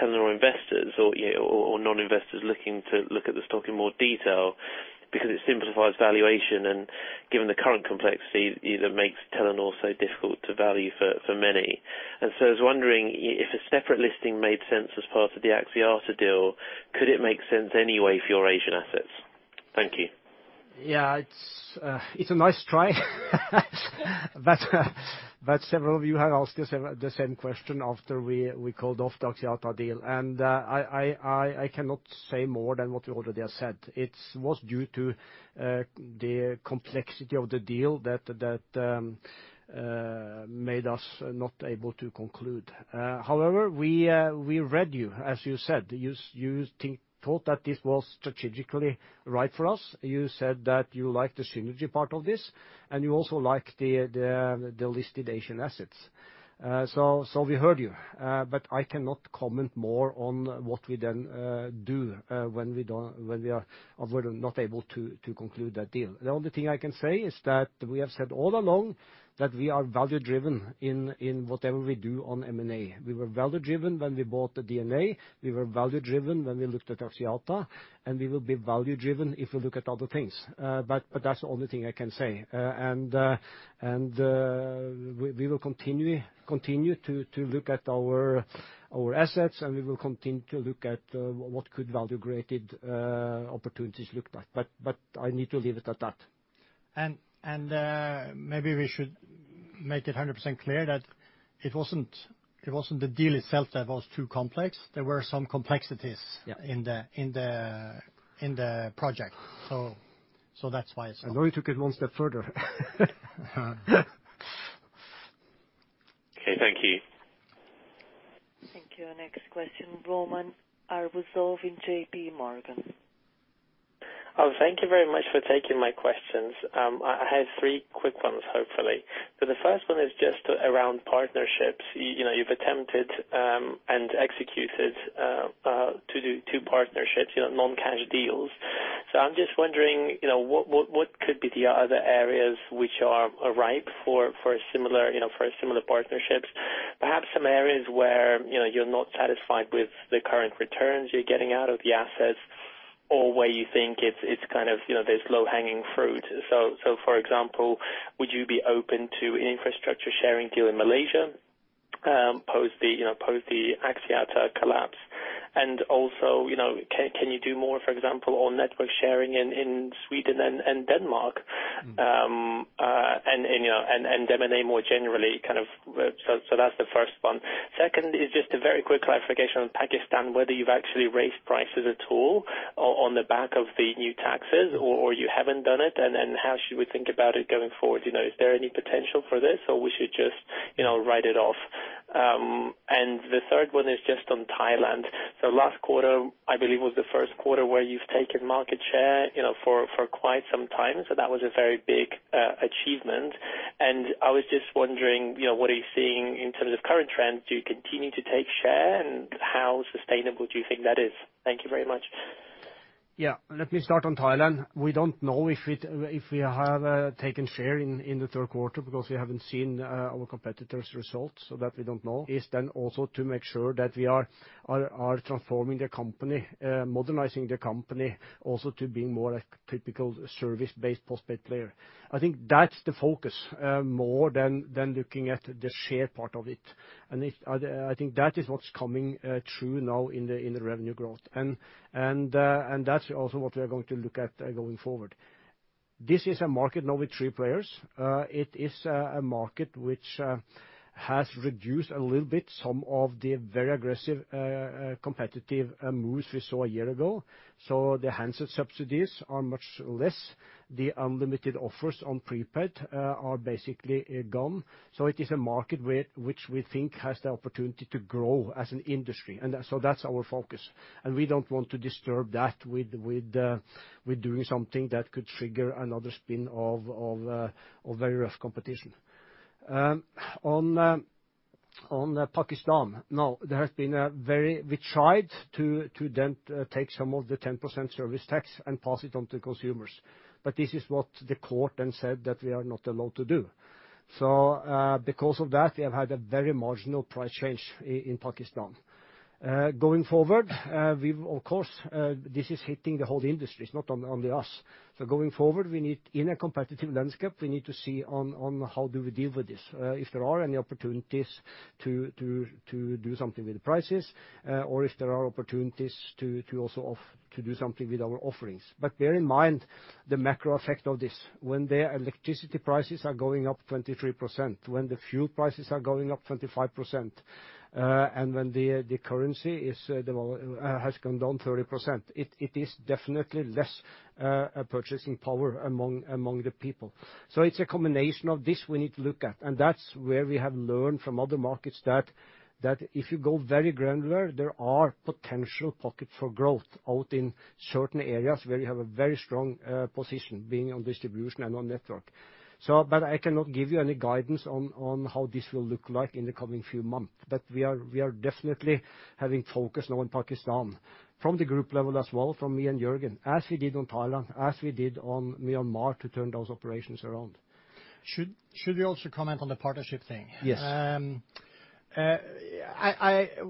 Telenor investors or, you know, or non-investors looking to look at the stock in more detail, because it simplifies valuation, and given the current complexity, it makes Telenor so difficult to value for many. And so I was wondering if a separate listing made sense as part of the Axiata deal, could it make sense anyway for your Asian assets? Thank you. Yeah, it's a nice try. But several of you have asked the same question after we called off the Axiata deal, and I cannot say more than what we already have said. It was due to the complexity of the deal that made us not able to conclude. However, we read you, as you said, you thought that this was strategically right for us. You said that you like the synergy part of this, and you also like the listed Asian assets. So we heard you, but I cannot comment more on what we then do when we are not able to conclude that deal. The only thing I can say is that we have said all along that we are value driven in whatever we do on M&A. We were value driven when we bought the DNA, we were value driven when we looked at Axiata, and we will be value driven if we look at other things. But that's the only thing I can say. We will continue to look at our assets, and we will continue to look at what could value-created opportunities look like. But I need to leave it at that.... Maybe we should make it 100% clear that it wasn't the deal itself that was too complex. There were some complexities- Yeah. in the project. So, that's why it's I know you took it one step further. Okay, thank you. Thank you. Our next question, Roman Arbuzov in J.P. Morgan. Oh, thank you very much for taking my questions. I have three quick ones, hopefully. So the first one is just around partnerships. You know, you've attempted and executed to do two partnerships, you know, non-cash deals. So I'm just wondering, you know, what could be the other areas which are ripe for a similar, you know, for similar partnerships? Perhaps some areas where, you know, you're not satisfied with the current returns you're getting out of the assets, or where you think it's kind of, you know, there's low-hanging fruit. So, for example, would you be open to infrastructure sharing deal in Malaysia post the Axiata collapse? And also, you know, can you do more, for example, on network sharing in Sweden and Denmark? You know, and M&A more generally, kind of... So, that's the first one. Second is just a very quick clarification on Pakistan, whether you've actually raised prices at all on the back of the new taxes or you haven't done it, and how should we think about it going forward? You know, is there any potential for this, or we should just, you know, write it off? And the third one is just on Thailand. So last quarter, I believe, was the first quarter where you've taken market share, you know, for quite some time. So that was a very big achievement. And I was just wondering, you know, what are you seeing in terms of current trends? Do you continue to take share, and how sustainable do you think that is? Thank you very much. Yeah. Let me start on Thailand. We don't know if it—if we have taken share in the third quarter, because we haven't seen our competitors' results, so that we don't know, is then also to make sure that we are transforming the company, modernizing the company, also to being more a typical service-based postpaid player. I think that's the focus, more than looking at the share part of it. And if—I think that is what's coming true now in the revenue growth. And that's also what we are going to look at going forward. This is a market now with three players. It is a market which has reduced a little bit some of the very aggressive competitive moves we saw a year ago. So the handset subsidies are much less. The unlimited offers on prepaid are basically gone. So it is a market which we think has the opportunity to grow as an industry, and so that's our focus. And we don't want to disturb that with doing something that could trigger another spin of very rough competition. On Pakistan, now, there has been a very... We tried to then take some of the 10% service tax and pass it on to consumers, but this is what the court then said that we are not allowed to do. So, because of that, we have had a very marginal price change in Pakistan. Going forward, we've of course, this is hitting the whole industry. It's not on only us. So going forward, we need, in a competitive landscape, we need to see on, on how do we deal with this. If there are any opportunities to, to, to do something with the prices, or if there are opportunities to, to also to do something with our offerings. But bear in mind the macro effect of this. When the electricity prices are going up 23%, when the fuel prices are going up 25%, and when the, the currency is, the, has gone down 30%, it, it is definitely less, purchasing power among, among the people. So it's a combination of this we need to look at, and that's where we have learned from other markets that, that if you go very granular, there are potential pockets for growth out in certain areas where you have a very strong position, being on distribution and on network. So but I cannot give you any guidance on, on how this will look like in the coming few months. But we are, we are definitely having focus now in Pakistan, from the group level as well, from me and Jørgen, as we did on Thailand, as we did on Myanmar, to turn those operations around. Should we also comment on the partnership thing? Yes.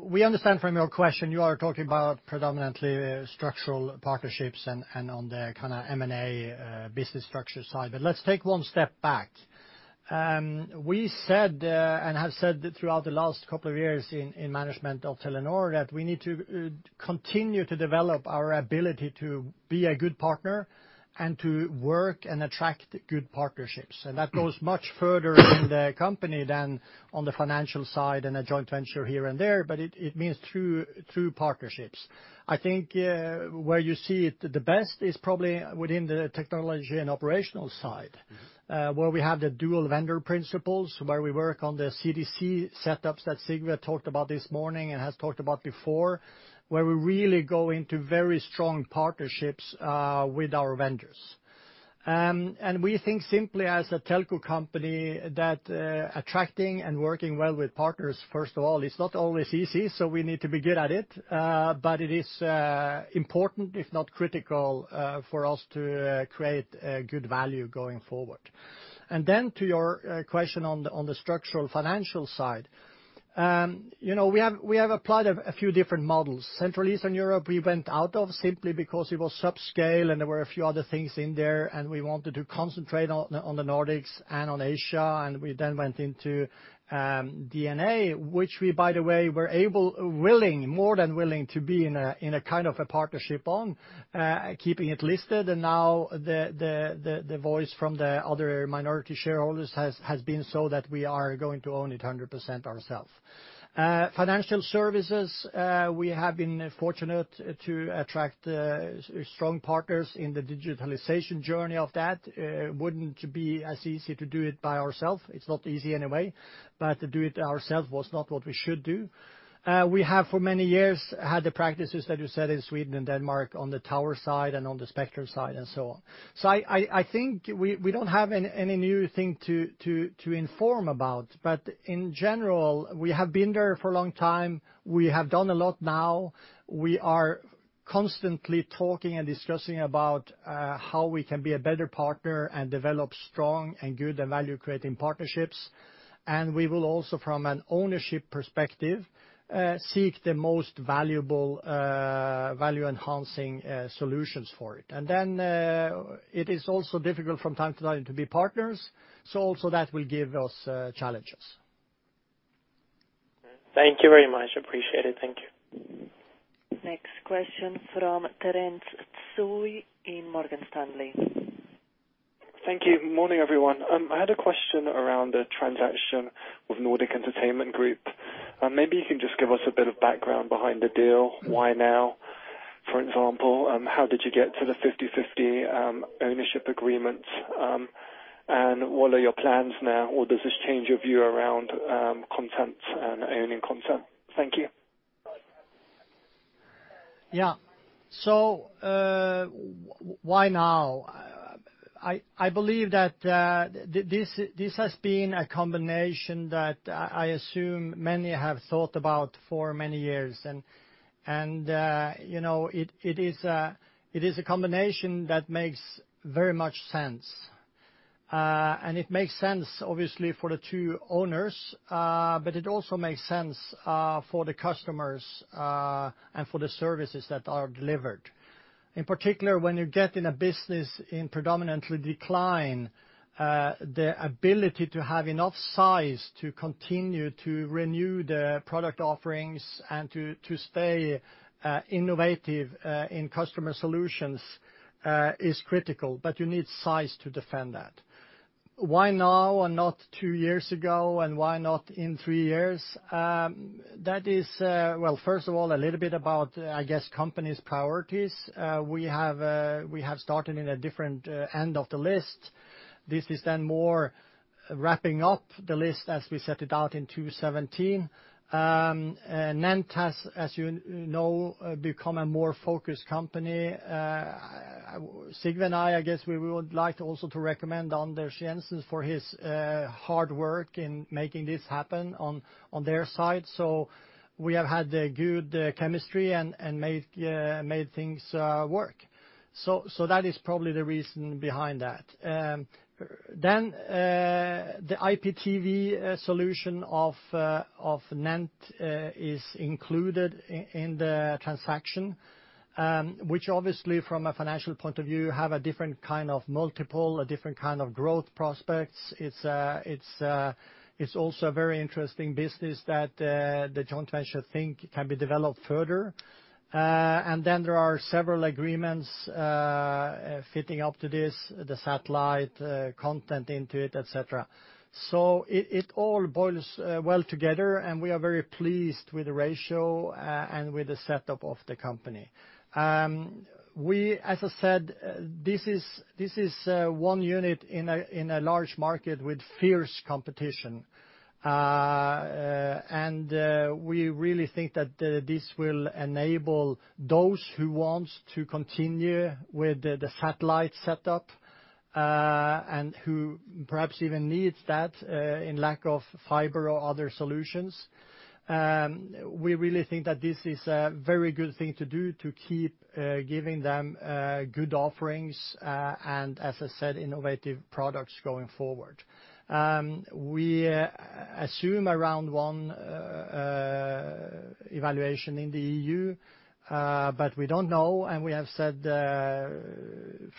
We understand from your question, you are talking about predominantly structural partnerships and on the kind of M&A business structure side. But let's take one step back. We said and have said throughout the last couple of years in management of Telenor that we need to continue to develop our ability to be a good partner and to work and attract good partnerships. And that goes much further in the company than on the financial side and a joint venture here and there, but it means through partnerships. I think, where you see it the best is probably within the technology and operational side, where we have the dual vendor principles, where we work on the CDC setups that Sigve talked about this morning and has talked about before, where we really go into very strong partnerships with our vendors. And we think simply as a telco company, that attracting and working well with partners, first of all, is not always easy, so we need to be good at it. But it is important, if not critical, for us to create a good value going forward. And then to your question on the structural financial side. You know, we have applied a few different models. Central Eastern Europe, we went out of simply because it was subscale, and there were a few other things in there, and we wanted to concentrate on the Nordics and on Asia. We then went into DNA, which we, by the way, were willing, more than willing, to be in a kind of a partnership on keeping it listed. Now, the voice from the other minority shareholders has been so that we are going to own it 100% ourselves. Financial services, we have been fortunate to attract strong partners in the digitalization journey of that. Wouldn't be as easy to do it by ourselves. It's not easy anyway, but to do it ourselves was not what we should do. We have for many years had the practices that you said in Sweden and Denmark, on the tower side and on the spectrum side and so on. So I think we don't have any new thing to inform about. But in general, we have been there for a long time. We have done a lot now. We are constantly talking and discussing about how we can be a better partner and develop strong and good and value-creating partnerships. And we will also, from an ownership perspective, seek the most valuable value-enhancing solutions for it. And then it is also difficult from time to time to be partners, so also that will give us challenges. Thank you very much. Appreciate it. Thank you. Next question from Terence Tsui in Morgan Stanley. Thank you. Morning, everyone. I had a question around the transaction with Nordic Entertainment Group. Maybe you can just give us a bit of background behind the deal. Why now, for example, how did you get to the 50/50 ownership agreement? And what are your plans now, or does this change your view around content and owning content? Thank you. Yeah. So, why now? I believe that this has been a combination that I assume many have thought about for many years, and, you know, it is a combination that makes very much sense. And it makes sense, obviously, for the two owners, but it also makes sense for the customers and for the services that are delivered. In particular, when you get in a business in predominantly decline, the ability to have enough size to continue to renew the product offerings and to stay innovative in customer solutions is critical, but you need size to defend that. Why now and not two years ago, and why not in three years? That is, well, first of all, a little bit about, I guess, company's priorities. We have, we have started in a different end of the list. This is then more wrapping up the list as we set it out in 2017. And NENT has, as you know, become a more focused company. Sigve and I, I guess, we would like to also to recommend Anders Jensen for his hard work in making this happen on their side. So we have had a good chemistry and made things work. So that is probably the reason behind that. Then the IPTV solution of NENT is included in the transaction, which obviously, from a financial point of view, have a different kind of multiple, a different kind of growth prospects. It's also a very interesting business that the joint venture think can be developed further. And then there are several agreements fitting up to this, the satellite content into it, et cetera. So it all boils well together, and we are very pleased with the ratio and with the setup of the company. As I said, this is one unit in a large market with fierce competition. And we really think that this will enable those who want to continue with the satellite setup and who perhaps even need that in lack of fiber or other solutions. We really think that this is a very good thing to do to keep giving them good offerings, and as I said, innovative products going forward. We assume around one evaluation in the EU, but we don't know, and we have said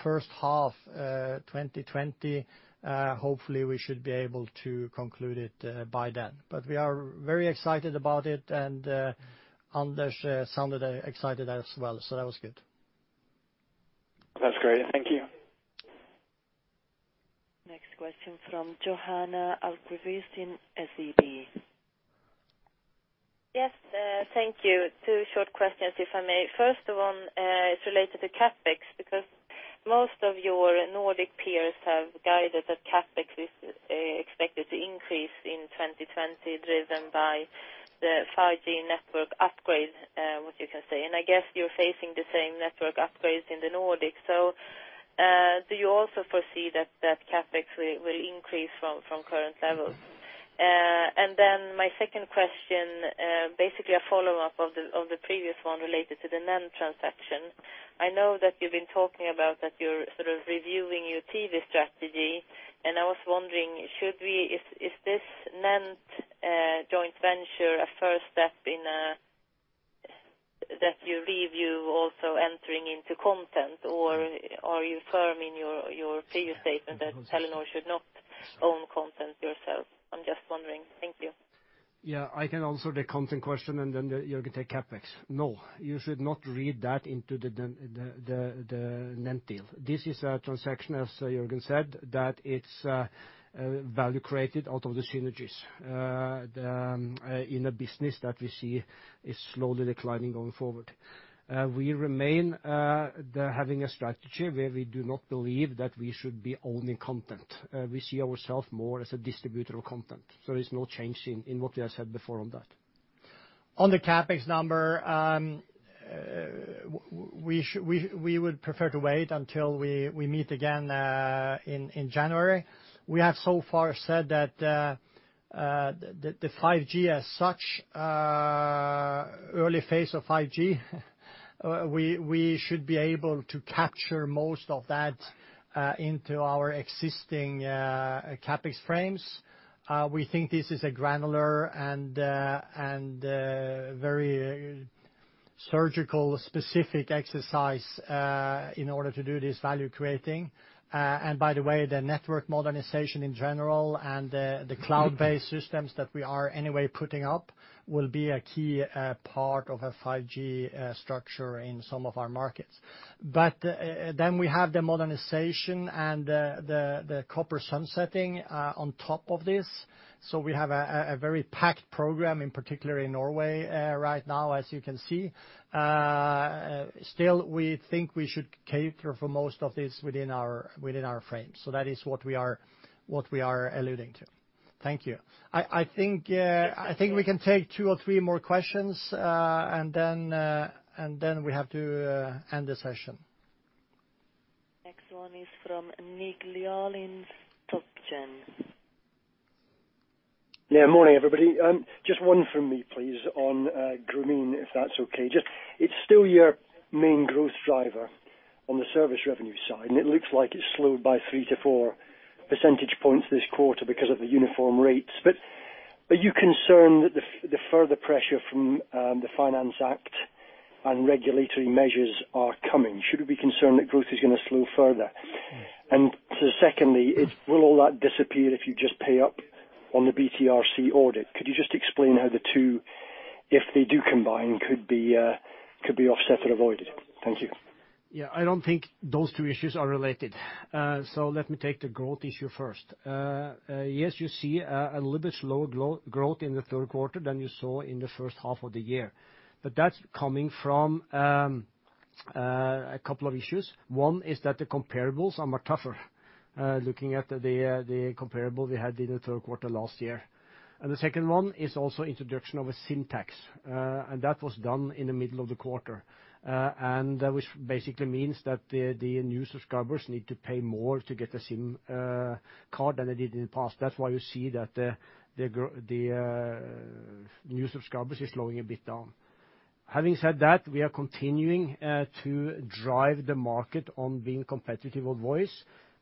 first half 2020, hopefully we should be able to conclude it by then. But we are very excited about it, and Anders sounded excited as well, so that was good. That's great. Thank you. Next question from Johanna Ahlqvist in SEB. Yes, thank you. Two short questions, if I may. First one is related to CapEx, because most of your Nordic peers have guided that CapEx is expected to increase in 2020, driven by the 5G network upgrade, what you can say. And I guess you're facing the same network upgrades in the Nordics. So, do you also foresee that CapEx will increase from current levels? And then my second question basically a follow-up of the previous one related to the NENT transaction. I know that you've been talking about that you're sort of reviewing your TV strategy, and I was wondering, is this NENT joint venture a first step in that you review also entering into content? Are you firm in your previous statement that Telenor should not own content yourself? I'm just wondering. Thank you. Yeah, I can answer the content question, and then Jørgen take CapEx. No, you should not read that into the NENT deal. This is a transaction, as Jørgen said, that it's value created out of the synergies. In a business that we see is slowly declining going forward. We remain having a strategy where we do not believe that we should be owning content. We see ourself more as a distributor of content, so there's no change in what we have said before on that. On the CapEx number, we would prefer to wait until we meet again in January. We have so far said that the 5G as such early phase of 5G we should be able to capture most of that into our existing CapEx frames. We think this is a granular and very surgical specific exercise in order to do this value creating. And by the way, the network modernization in general and the cloud-based systems that we are anyway putting up will be a key part of a 5G structure in some of our markets. But then we have the modernization and the copper sunsetting on top of this. So we have a very packed program in particular in Norway right now as you can see. Still we think we should cater for most of this within our frame. So that is what we are alluding to. Thank you. I think we can take two or three more questions, and then we have to end the session. Next one is from Nick Delfas, Redburn. Yeah. Morning, everybody. Just one from me, please, on Grameen, if that's okay. Just... It's still your main growth driver on the service revenue side, and it looks like it slowed by 3-4 percentage points this quarter because of the uniform rates. But, are you concerned that the further pressure from the Finance Act and regulatory measures are coming? Should we be concerned that growth is gonna slow further? And so secondly, it, will all that disappear if you just pay up on the BTRC audit? Could you just explain how the two, if they do combine, could be offset or avoided? Thank you. Yeah, I don't think those two issues are related. So let me take the growth issue first. Yes, you see, a little bit slower growth in the third quarter than you saw in the first half of the year. But that's coming from a couple of issues. One is that the comparables are more tougher looking at the comparable we had in the third quarter last year. And the second one is also introduction of a SIM tax, and that was done in the middle of the quarter. And which basically means that the new subscribers need to pay more to get a SIM card than they did in the past. That's why you see that the new subscribers is slowing a bit down. Having said that, we are continuing to drive the market on being competitive on voice,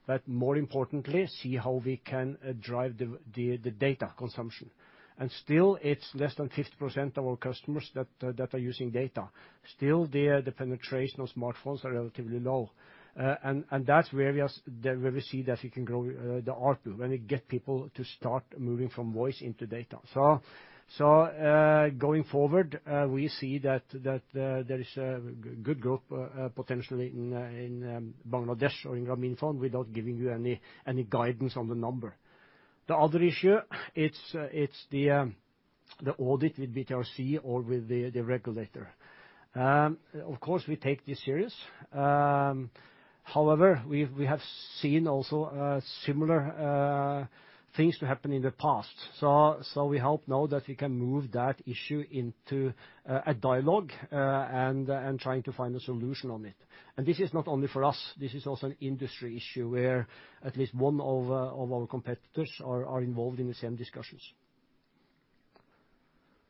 but more importantly, see how we can drive the data consumption. And still, it's less than 50% of our customers that are using data. Still, the penetration of smartphones are relatively low. And that's where we are—where we see that we can grow the ARPU, when we get people to start moving from voice into data. So, going forward, we see that there is good growth potentially in Bangladesh or in Grameenphone, without giving you any guidance on the number. The other issue, it's the audit with BTRC or with the regulator. Of course, we take this serious. However, we have seen also similar things to happen in the past. So, we hope now that we can move that issue into a dialogue, and trying to find a solution on it. And this is not only for us, this is also an industry issue, where at least one of our competitors are involved in the same discussions.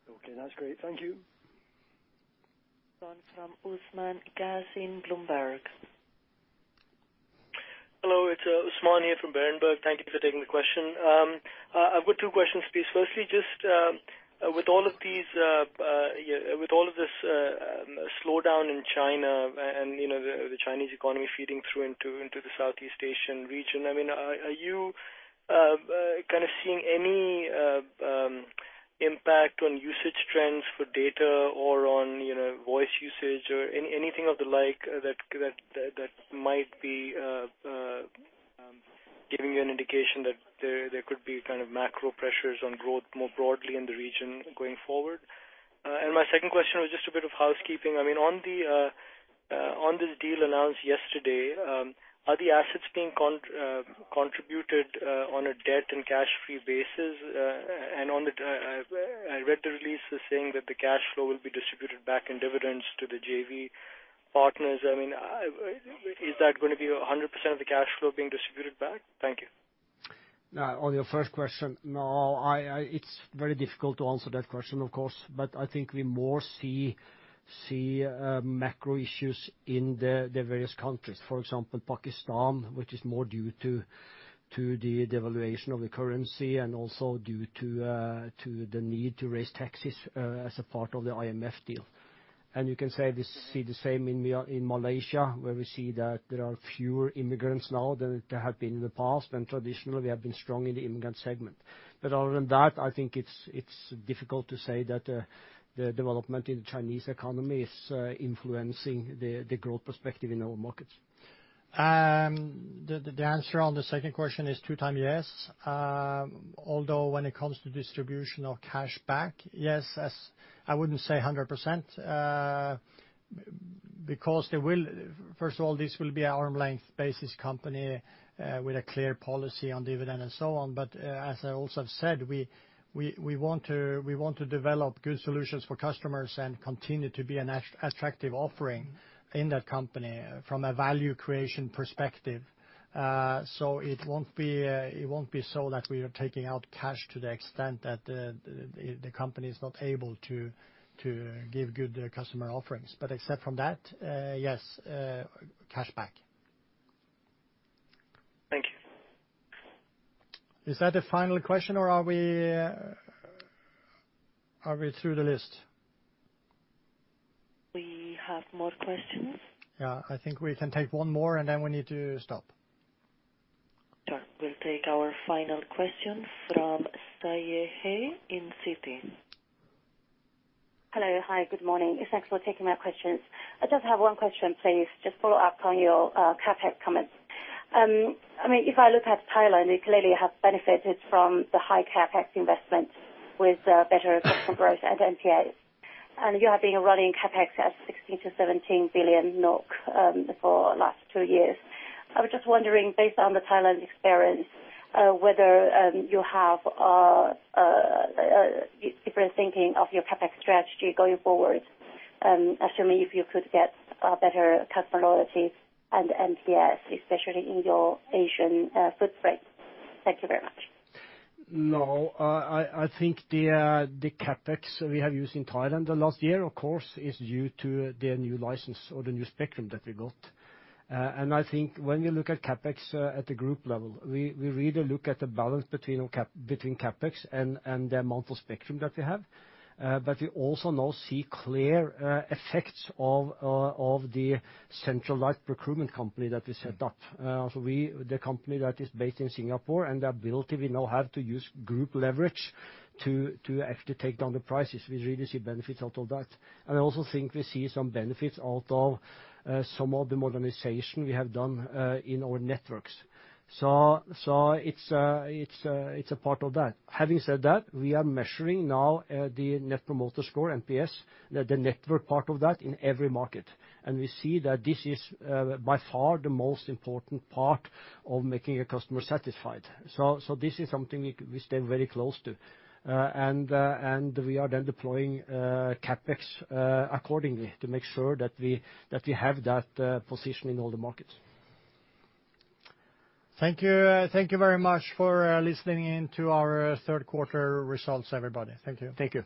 Okay, that's great. Thank you. One from Usman Ghazi, Berenberg. Hello, it's Usman here from Berenberg. Thank you for taking the question. I've got two questions, please. Firstly, just with all of this slowdown in China and you know, the Chinese economy feeding through into the Southeast Asian region, I mean, are you kind of seeing any impact on usage trends for data or on, you know, voice usage or anything of the like, that might be giving you an indication that there could be kind of macro pressures on growth more broadly in the region going forward? And my second question was just a bit of housekeeping. I mean, on this deal announced yesterday, are the assets being contributed on a debt and cash-free basis? And I read the release as saying that the cash flow will be distributed back in dividends to the JV partners. I mean, is that going to be 100% of the cash flow being distributed back? Thank you. On your first question, no, it's very difficult to answer that question, of course, but I think we more see macro issues in the various countries. For example, Pakistan, which is more due to the devaluation of the currency and also due to the need to raise taxes as a part of the IMF deal. And you can say this, see the same in Malaysia, where we see that there are fewer immigrants now than there have been in the past, and traditionally, we have been strong in the immigrant segment. But other than that, I think it's difficult to say that the development in Chinese economy is influencing the growth perspective in our markets. The answer on the second question is two time yes. Although when it comes to distribution of cash back, yes, I wouldn't say 100%, because they will. First of all, this will be an arm's length basis company, with a clear policy on dividend and so on. But, as I also said, we want to develop good solutions for customers and continue to be an attractive offering in that company from a value creation perspective. So it won't be so that we are taking out cash to the extent that the company is not able to give good customer offerings. But except from that, yes, cash back. Thank you. Is that a final question, or are we through the list? We have more questions. Yeah, I think we can take one more, and then we need to stop. Sure. We'll take our final question from Siyi He in Citi. Hello. Hi, good morning. Thanks for taking my questions. I just have one question, please. Just follow up on your CapEx comments. I mean, if I look at Thailand, it clearly have benefited from the high CapEx investment with better growth and NPS. And you have been running CapEx at 16 billion-17 billion NOK for last two years. I was just wondering, based on the Thailand experience, whether you have a different thinking of your CapEx strategy going forward? Assuming if you could get better customer loyalty and NPS, especially in your Asian footprint. Thank you very much. No, I think the CapEx we have used in Thailand the last year, of course, is due to the new license or the new spectrum that we got. And I think when we look at CapEx at the group level, we really look at the balance between CapEx and the amount of spectrum that we have. But we also now see clear effects of the centralized procurement company that we set up. The company that is based in Singapore, and the ability we now have to use group leverage to actually take down the prices, we really see benefits out of that. And I also think we see some benefits out of some of the modernization we have done in our networks. So, it's a part of that. Having said that, we are measuring now the Net Promoter Score, NPS, the network part of that in every market. And we see that this is by far the most important part of making a customer satisfied. So, this is something we stay very close to. And we are then deploying CapEx accordingly to make sure that we have that position in all the markets. Thank you. Thank you very much for listening in to our third quarter results, everybody. Thank you. Thank you.